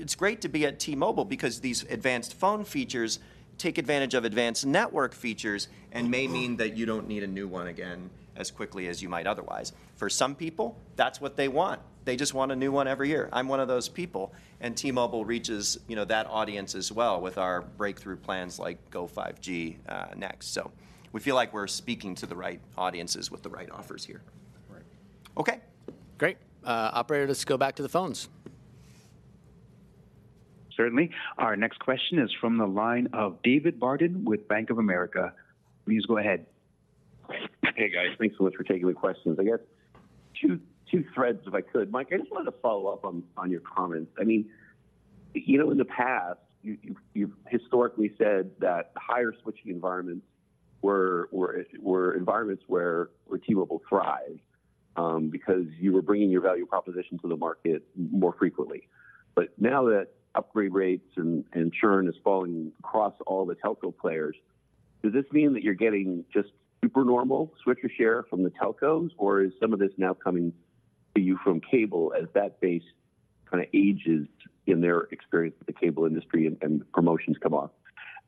it's great to be at T-Mobile because these advanced phone features take advantage of advanced network features and may mean that you don't need a new one again as quickly as you might otherwise. For some people, that's what they want. They just want a new one every year. I'm one of those people, and T-Mobile reaches, you know, that audience as well with our breakthrough plans like Go5G Next. So we feel like we're speaking to the right audiences with the right offers here.
Right.
Okay.
Great. Operator, let's go back to the phones.
Certainly. Our next question is from the line of David Barden with Bank of America. Please go ahead.
Hey, guys. Thanks so much for taking the questions. I guess two threads, if I could. Mike, I just wanted to follow up on your comments. I mean, you know, in the past, you've historically said that higher switching environments were environments where T-Mobile thrived, because you were bringing your value proposition to the market more frequently. But now that upgrade rates and churn is falling across all the telco players, does this mean that you're getting just super normal switcher share from the telcos, or is some of this now coming to you from cable as that base kind of ages in their experience with the cable industry and promotions come on?...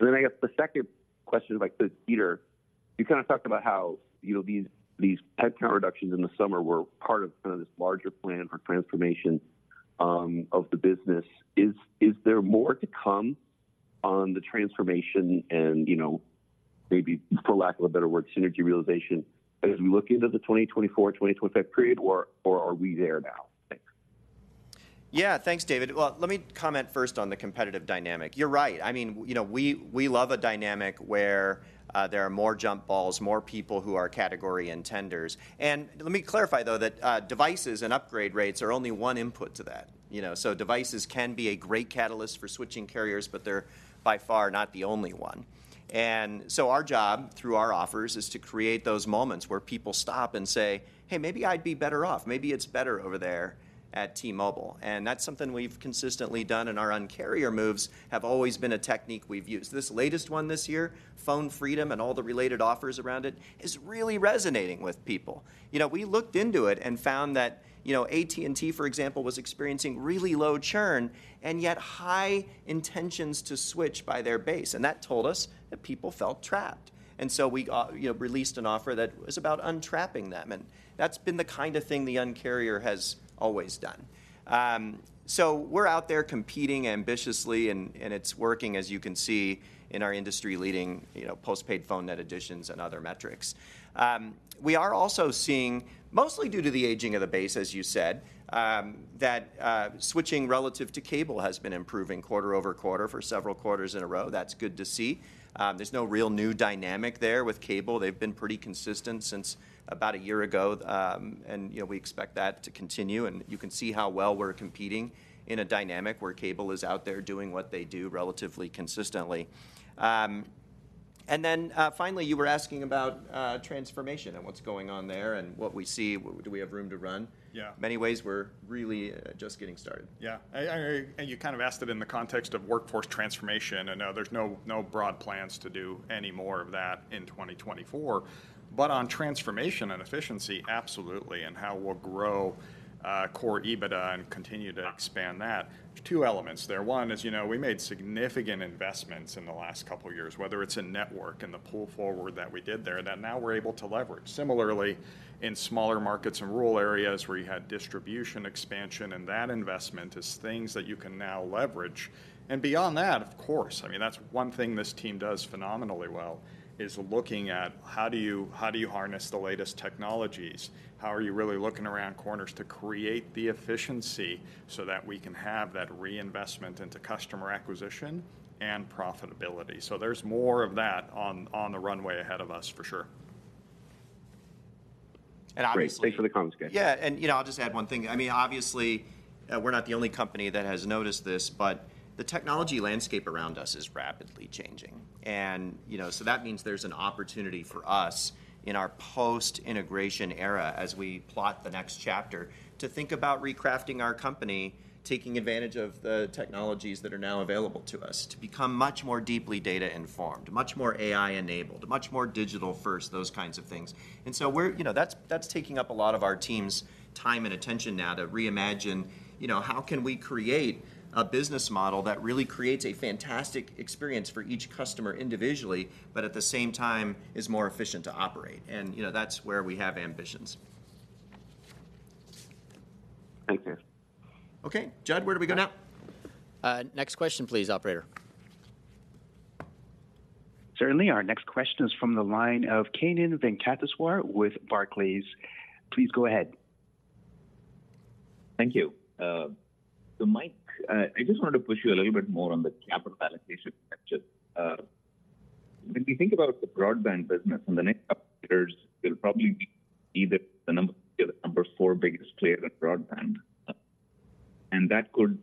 And then I guess the second question is like to Peter. You kind of talked about how, you know, these headcount reductions in the summer were part of kind of this larger plan or transformation of the business. Is there more to come on the transformation and, you know, maybe for lack of a better word, synergy realization as we look into the 2024, 2025 period, or are we there now? Thanks.
Yeah, thanks, David. Well, let me comment first on the competitive dynamic. You're right. I mean, you know, we love a dynamic where there are more jump balls, more people who are category intenders. And let me clarify, though, that devices and upgrade rates are only one input to that. You know, so devices can be a great catalyst for switching carriers, but they're by far not the only one. And so our job, through our offers, is to create those moments where people stop and say, "Hey, maybe I'd be better off. Maybe it's better over there at T-Mobile." And that's something we've consistently done, and our Un-carrier moves have always been a technique we've used. This latest one this year, Phone Freedom and all the related offers around it, is really resonating with people. You know, we looked into it and found that, you know, AT&T, for example, was experiencing really low churn, and yet high intentions to switch by their base, and that told us that people felt trapped. And so we, you know, released an offer that was about untrapping them, and that's been the kind of thing the Un-carrier has always done. So we're out there competing ambitiously, and it's working, as you can see in our industry-leading, you know, postpaid phone net additions and other metrics. We are also seeing, mostly due to the aging of the base, as you said, that switching relative to cable has been improving quarter over quarter for several quarters in a row. That's good to see. There's no real new dynamic there with cable. They've been pretty consistent since about a year ago, and, you know, we expect that to continue, and you can see how well we're competing in a dynamic where cable is out there doing what they do relatively, consistently. And then, finally, you were asking about transformation and what's going on there and what we see. Do we have room to run?
Yeah.
Many ways, we're really just getting started.
Yeah. I... And you kind of asked it in the context of workforce transformation, and, there's no, no broad plans to do any more of that in 2024. But on transformation and efficiency, absolutely, and how we'll grow Core EBITDA and continue to expand that. There's two elements there. One is, you know, we made significant investments in the last couple of years, whether it's in network and the pull forward that we did there, that now we're able to leverage. Similarly, in smaller markets and rural areas where you had distribution expansion, and that investment is things that you can now leverage. And beyond that, of course, I mean, that's one thing this team does phenomenally well, is looking at how do you, how do you harness the latest technologies? How are you really looking around corners to create the efficiency so that we can have that reinvestment into customer acquisition and profitability? So there's more of that on the runway ahead of us for sure.
And obviously-
Great. Thank you for the comments, guys.
Yeah, and, you know, I'll just add one thing. I mean, obviously, we're not the only company that has noticed this, but the technology landscape around us is rapidly changing. And, you know, so that means there's an opportunity for us in our post-integration era, as we plot the next chapter, to think about recrafting our company, taking advantage of the technologies that are now available to us to become much more deeply data-informed, much more AI-enabled, much more digital first, those kinds of things. And so, you know, that's taking up a lot of our team's time and attention now to reimagine, you know, how can we create a business model that really creates a fantastic experience for each customer individually, but at the same time is more efficient to operate? And, you know, that's where we have ambitions.
Thank you.
Okay, Jud, where do we go now?
Next question, please, operator.
Certainly. Our next question is from the line of Kannan Venkateshwar with Barclays. Please go ahead.
Thank you. So Mike, I just wanted to push you a little bit more on the capital allocation picture. When we think about the broadband business in the next couple years, we'll probably be either the number four biggest player in broadband. And that could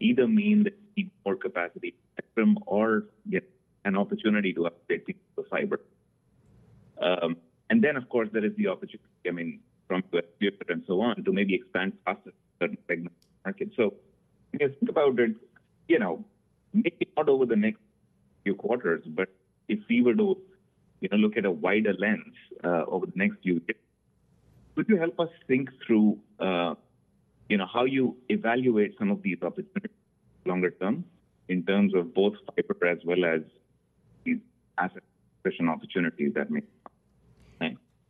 either mean that you need more capacity, spectrum, or get an opportunity to update the fiber. And then, of course, there is the opportunity coming from and so on to maybe expand assets certain segments. So when you think about it, you know, maybe not over the next few quarters, but if we were to, you know, look at a wider lens, over the next few years, could you help us think through, you know, how you evaluate some of these opportunities longer term, in terms of both fiber as well as these asset expansion opportunities that may come? Thanks.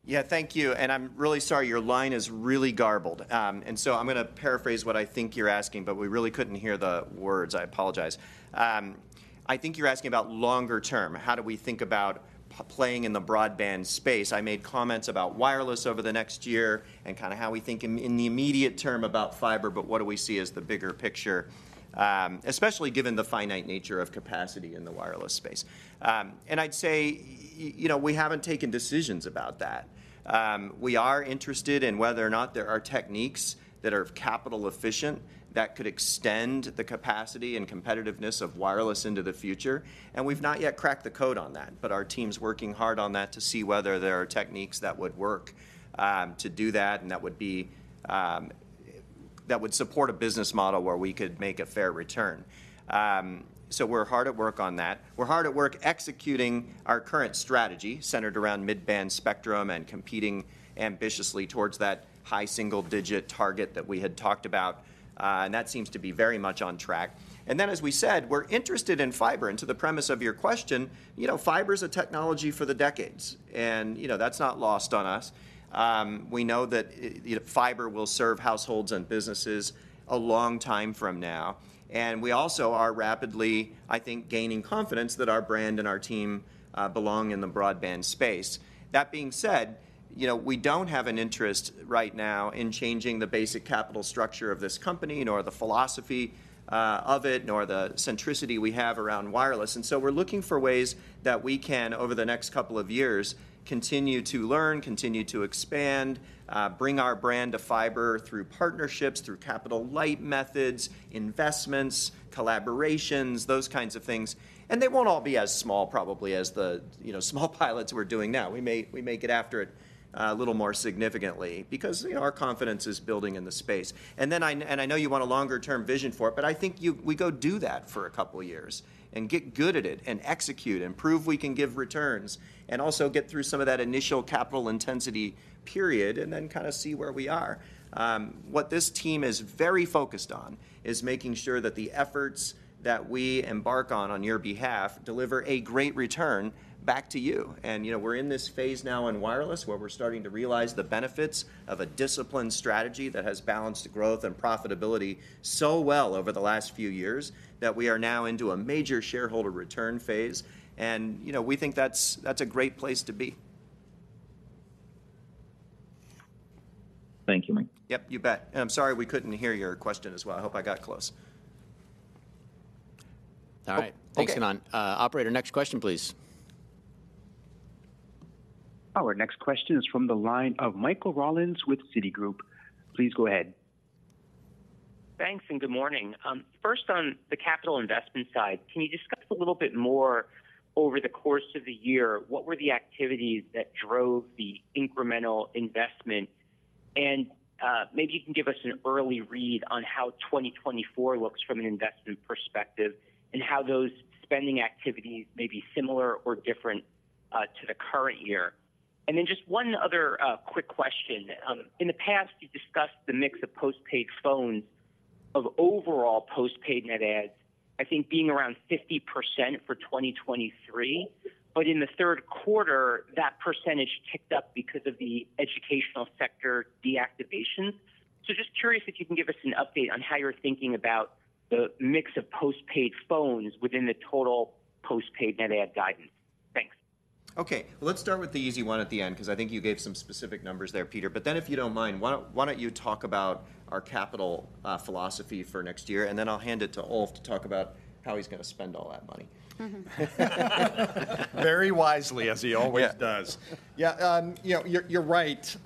Yeah, thank you, and I'm really sorry, your line is really garbled. And so I'm gonna paraphrase what I think you're asking, but we really couldn't hear the words. I apologize. I think you're asking about longer term. How do we think about playing in the broadband space? I made comments about wireless over the next year and kinda how we think in the immediate term about fiber, but what do we see as the bigger picture, especially given the finite nature of capacity in the wireless space? And I'd say, you know, we haven't taken decisions about that. We are interested in whether or not there are techniques that are capital efficient, that could extend the capacity and competitiveness of wireless into the future, and we've not yet cracked the code on that. But our team's working hard on that to see whether there are techniques that would work to do that, and that would support a business model where we could make a fair return. So we're hard at work on that. We're hard at work executing our current strategy, centered around mid-band spectrum and competing ambitiously towards that high single-digit target that we had talked about, and that seems to be very much on track. And then, as we said, we're interested in fiber. And to the premise of your question, you know, fiber's a technology for the decades, and, you know, that's not lost on us. We know that, fiber will serve households and businesses a long time from now, and we also are rapidly, I think, gaining confidence that our brand and our team belong in the broadband space. That being said, you know, we don't have an interest right now in changing the basic capital structure of this company, nor the philosophy of it, nor the centricity we have around wireless. And so we're looking for ways that we can, over the next couple of years, continue to learn, continue to expand, bring our brand to fiber through partnerships, through capital-light methods, investments, collaborations, those kinds of things. And they won't all be as small probably as the, you know, small pilots we're doing now. We may get after it a little more significantly because, you know, our confidence is building in the space. And then I know you want a longer-term vision for it, but I think you... We go do that for a couple of years, and get good at it, and execute, and prove we can give returns, and also get through some of that initial capital intensity period, and then kinda see where we are. What this team is very focused on is making sure that the efforts that we embark on on your behalf deliver a great return back to you. And, you know, we're in this phase now in wireless, where we're starting to realize the benefits of a disciplined strategy that has balanced growth and profitability so well over the last few years, that we are now into a major shareholder return phase. And, you know, we think that's, that's a great place to be.
Thank you, Mike.
Yep, you bet. I'm sorry we couldn't hear your question as well. I hope I got close.
All right.
Okay.
Thanks, Kannan. Operator, next question, please.
Our next question is from the line of Michael Rollins with Citigroup. Please go ahead.
Thanks, and good morning. First on the capital investment side, can you discuss a little bit more, over the course of the year, what were the activities that drove the incremental investment? And, maybe you can give us an early read on how 2024 looks from an investment perspective, and how those spending activities may be similar or different, to the current year. And then, just one other, quick question. In the past, you've discussed the mix of postpaid phones of overall postpaid net adds, I think, being around 50% for 2023. But in the third quarter, that percentage ticked up because of the educational sector deactivations. So just curious if you can give us an update on how you're thinking about the mix of postpaid phones within the total postpaid net add guidance. Thanks.
Okay, let's start with the easy one at the end, because I think you gave some specific numbers there, Peter. But then, if you don't mind, why don't you talk about our capital philosophy for next year? And then I'll hand it to Ulf to talk about how he's gonna spend all that money.
Very wisely, as he always does.
Yeah.
Yeah, you know, you're, you're right,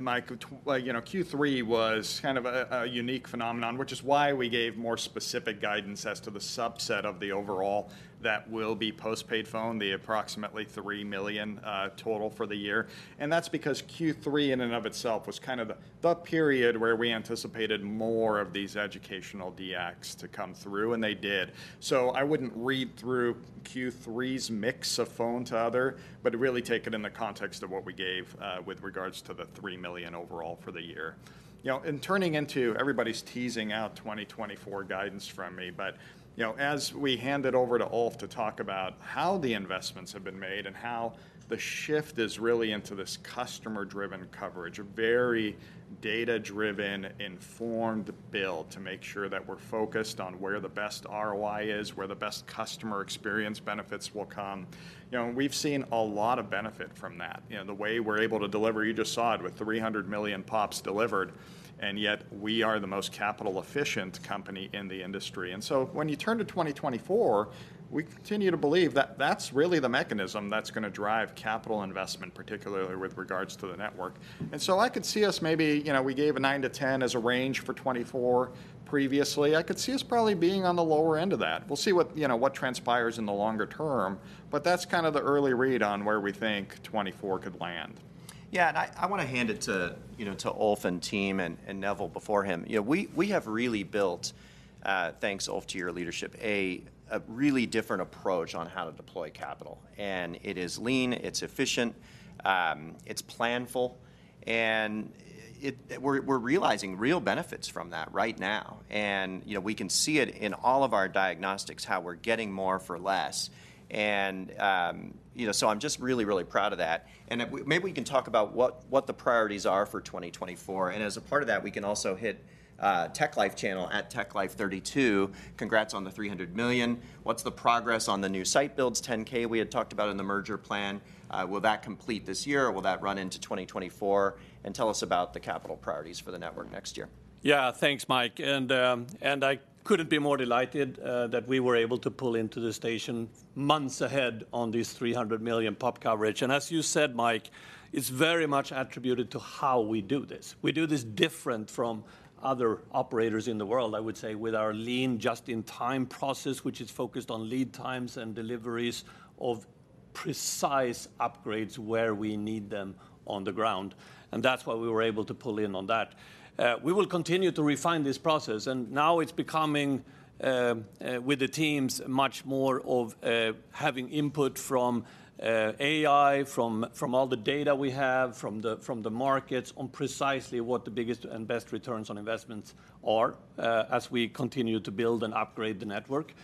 Mike. You know, Q3 was kind of a unique phenomenon, which is why we gave more specific guidance as to the subset of the overall that will be postpaid phone, the approximately 3 million total for the year. And that's because Q3 in and of itself was kind of the period where we anticipated more of these educational deacts to come through, and they did. So I wouldn't read through Q3's mix of phone to other, but really take it in the context of what we gave with regards to the 3 million overall for the year. You know, in turning into everybody's teasing out 2024 guidance from me, but, you know, as we hand it over to Ulf to talk about how the investments have been made and how the shift is really into this customer-driven coverage, a very data-driven, informed build to make sure that we're focused on where the best ROI is, where the best customer experience benefits will come. You know, and we've seen a lot of benefit from that. You know, the way we're able to deliver, you just saw it, with 300 million POPs delivered, and yet we are the most capital-efficient company in the industry. And so when you turn to 2024, we continue to believe that that's really the mechanism that's gonna drive capital investment, particularly with regards to the network. And so I could see us maybe... You know, we gave a 9-10 as a range for 2024 previously. I could see us probably being on the lower end of that. We'll see what, you know, what transpires in the longer term, but that's kind of the early read on where we think 2024 could land.
Yeah, and I wanna hand it to, you know, to Ulf and team, and Neville before him. You know, we have really built, thanks, Ulf, to your leadership, a really different approach on how to deploy capital. And it is lean, it's efficient, it's planful, and we're realizing real benefits from that right now. And, you know, we can see it in all of our diagnostics, how we're getting more for less. And, you know, so I'm just really, really proud of that. And if maybe we can talk about what the priorities are for 2024, and as a part of that, we can also hit TechLife Channel @TechLife32. Congrats on the 300 million. What's the progress on the new site builds, 10k we had talked about in the merger plan? Will that complete this year, or will that run into 2024? Tell us about the capital priorities for the network next year.
Yeah, thanks, Mike. I couldn't be more delighted that we were able to pull into the station months ahead on this 300 million POP coverage. As you said, Mike, it's very much attributed to how we do this. We do this different from other operators in the world, I would say, with our lean, just-in-time process, which is focused on lead times and deliveries of-...
precise upgrades where we need them on the ground, and that's why we were able to pull in on that. We will continue to refine this process, and now it's becoming, with the teams, much more of, having input from, AI, from all the data we have, from the markets on precisely what the biggest and best returns on investments are, as we continue to build and upgrade the network.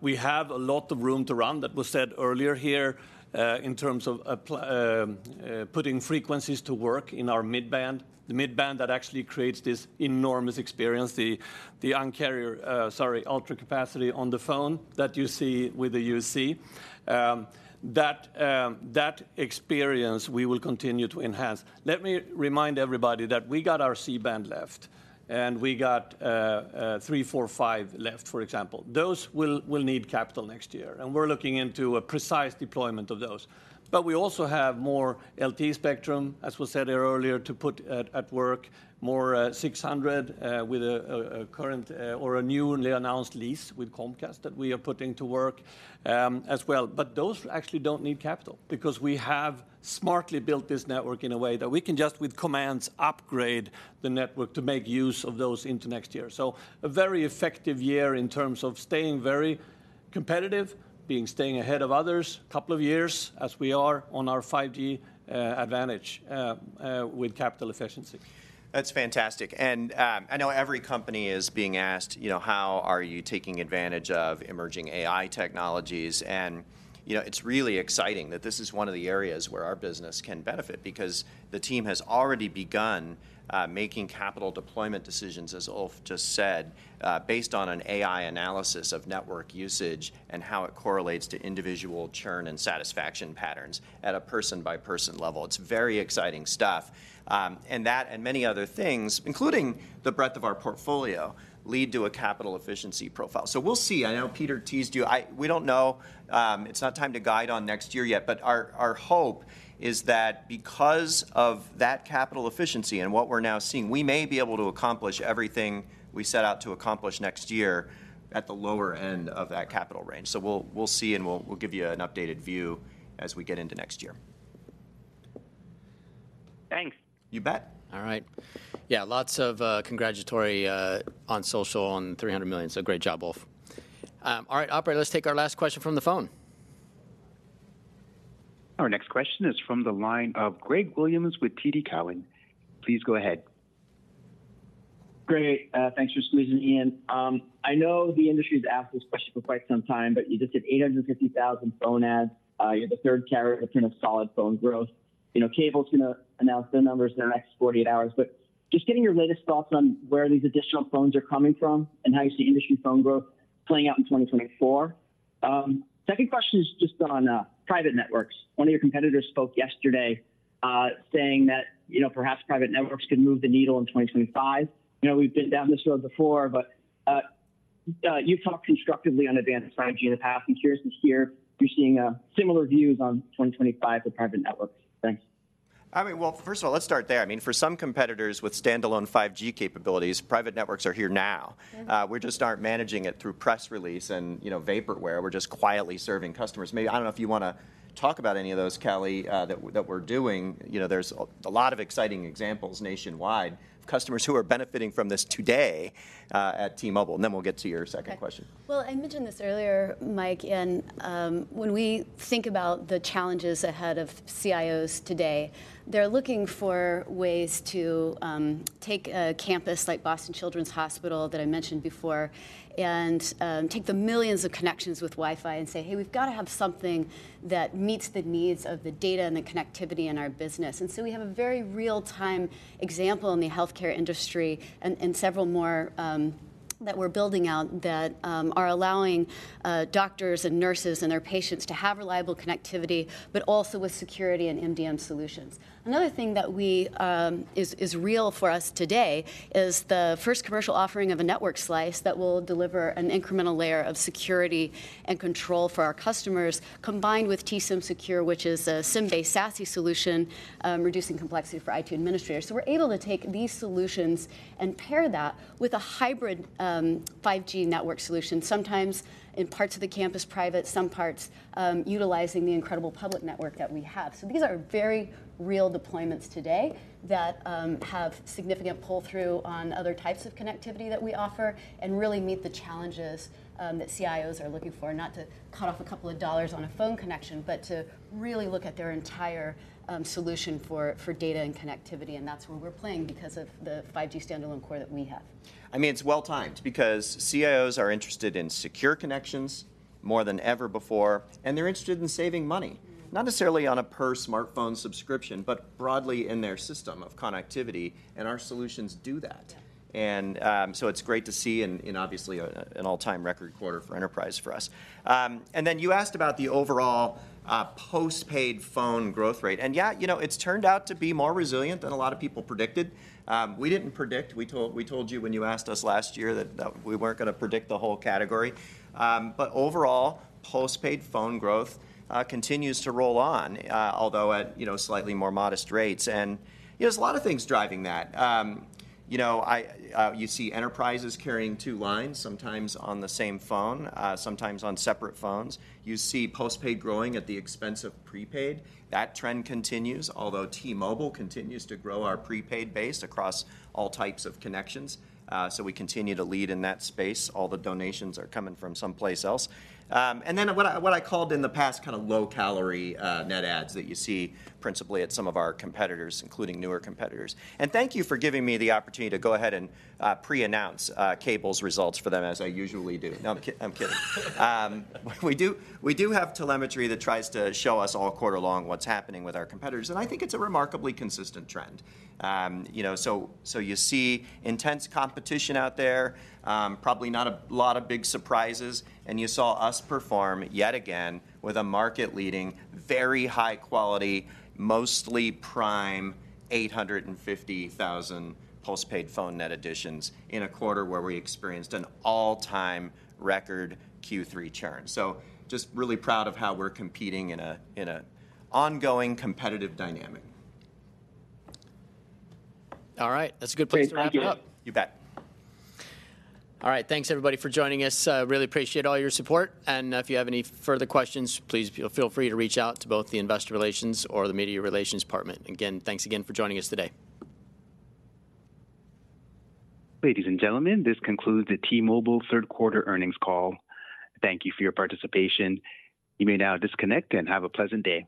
We have a lot of room to run. That was said earlier here, in terms of putting frequencies to work in our mid-band. The mid-band that actually creates this enormous experience, the Un-carrier, sorry, Ultra Capacity on the phone that you see with the UC. That experience, we will continue to enhance. Let me remind everybody that we got our C-band left, and we got 3.45 left, for example. Those will need capital next year, and we're looking into a precise deployment of those. But we also have more LTE spectrum, as was said here earlier, to put to work more 600 with a current or a newly announced lease with Comcast that we are putting to work, as well. But those actually don't need capital because we have smartly built this network in a way that we can just with commands upgrade the network to make use of those into next year. So a very effective year in terms of staying very competitive, staying ahead of others a couple of years as we are on our 5G advantage with capital efficiency. That's fantastic. I know every company is being asked, you know, how are you taking advantage of emerging AI technologies? And, you know, it's really exciting that this is one of the areas where our business can benefit because the team has already begun making capital deployment decisions, as Ulf just said, based on an AI analysis of network usage and how it correlates to individual churn and satisfaction patterns at a person-by-person level. It's very exciting stuff. And that and many other things, including the breadth of our portfolio, lead to a capital efficiency profile. So we'll see. I know Peter teased you. We don't know. It's not time to guide on next year yet, but our hope is that because of that capital efficiency and what we're now seeing, we may be able to accomplish everything we set out to accomplish next year at the lower end of that capital range. So we'll see, and we'll give you an updated view as we get into next year.
Thanks.
You bet.
All right. Yeah, lots of congratulatory on social on 300 million, so great job, Ulf. All right, operator, let's take our last question from the phone.
Our next question is from the line of Greg Williams with TD Cowen. Please go ahead.
Great. Thanks for squeezing me in. I know the industry's asked this question for quite some time, but you just hit 850,000 phone adds. You're the third carrier with kind of solid phone growth. You know, Cable's gonna announce their numbers in the next 48 hours. But just getting your latest thoughts on where these additional phones are coming from and how you see industry phone growth playing out in 2024. Second question is just on private networks. One of your competitors spoke yesterday, saying that, you know, perhaps private networks could move the needle in 2025. You know, we've been down this road before, but you've talked constructively on advanced 5G in the past. I'm curious to hear if you're seeing similar views on 2025 for private networks. Thanks.
I mean, well, first of all, let's start there. I mean, for some competitors with Standalone 5G capabilities, private networks are here now.
Mm-hmm.
We just aren't managing it through press release and, you know, vaporware. We're just quietly serving customers. Maybe, I don't know if you wanna talk about any of those, Callie, that we're doing. You know, there's a lot of exciting examples nationwide of customers who are benefiting from this today, at T-Mobile, and then we'll get to your second question.
Well, I mentioned this earlier, Mike, and when we think about the challenges ahead of CIOs today, they're looking for ways to take a campus like Boston Children's Hospital that I mentioned before and take the millions of connections with Wi-Fi and say, "Hey, we've got to have something that meets the needs of the data and the connectivity in our business." And so we have a very real-time example in the healthcare industry and several more that we're building out that are allowing doctors and nurses and their patients to have reliable connectivity, but also with security and MDM solutions. Another thing that is real for us today is the first commercial offering of a network slice that will deliver an incremental layer of security and control for our customers, combined with T-SIMsecure, which is a SIM-based SASE solution, reducing complexity for IT administrators. So we're able to take these solutions and pair that with a hybrid 5G network solution, sometimes in parts of the campus private, some parts utilizing the incredible public network that we have. So these are very real deployments today that have significant pull-through on other types of connectivity that we offer and really meet the challenges that CIOs are looking for, not to cut off a couple of dollars on a phone connection, but to really look at their entire solution for data and connectivity. That's where we're playing because of the 5G standalone core that we have.
I mean, it's well-timed because CIOs are interested in secure connections more than ever before, and they're interested in saving money, not necessarily on a per smartphone subscription, but broadly in their system of connectivity, and our solutions do that.
Yeah.
So it's great to see and obviously an all-time record quarter for enterprise for us. And then you asked about the overall postpaid phone growth rate, and yeah, you know, it's turned out to be more resilient than a lot of people predicted. We didn't predict. We told you when you asked us last year that we weren't gonna predict the whole category. But overall, postpaid phone growth continues to roll on, although at you know, slightly more modest rates. And you know, there's a lot of things driving that. You know, I... You see enterprises carrying two lines, sometimes on the same phone, sometimes on separate phones. You see postpaid growing at the expense of prepaid. That trend continues, although T-Mobile continues to grow our prepaid base across all types of connections. So we continue to lead in that space. All the donations are coming from someplace else. And then what I, what I called in the past, kind of low-calorie net adds that you see principally at some of our competitors, including newer competitors. And thank you for giving me the opportunity to go ahead and pre-announce Cable's results for them, as I usually do. No, I'm kidding. We do, we do have telemetry that tries to show us all quarter long what's happening with our competitors, and I think it's a remarkably consistent trend. You know, so, so you see intense competition out there, probably not a lot of big surprises, and you saw us perform yet again with a market-leading, very high quality, mostly prime 850,000 postpaid phone net additions in a quarter where we experienced an all-time record Q3 churn. So just really proud of how we're competing in a, in a ongoing competitive dynamic.
All right. That's a good place to wrap it up.
Thank you.
You bet.
All right. Thanks, everybody, for joining us. Really appreciate all your support. If you have any further questions, please feel free to reach out to both the Investor Relations or the Media Relations department. Again, thanks again for joining us today.
Ladies and gentlemen, this concludes the T-Mobile third quarter earnings call. Thank you for your participation. You may now disconnect and have a pleasant day.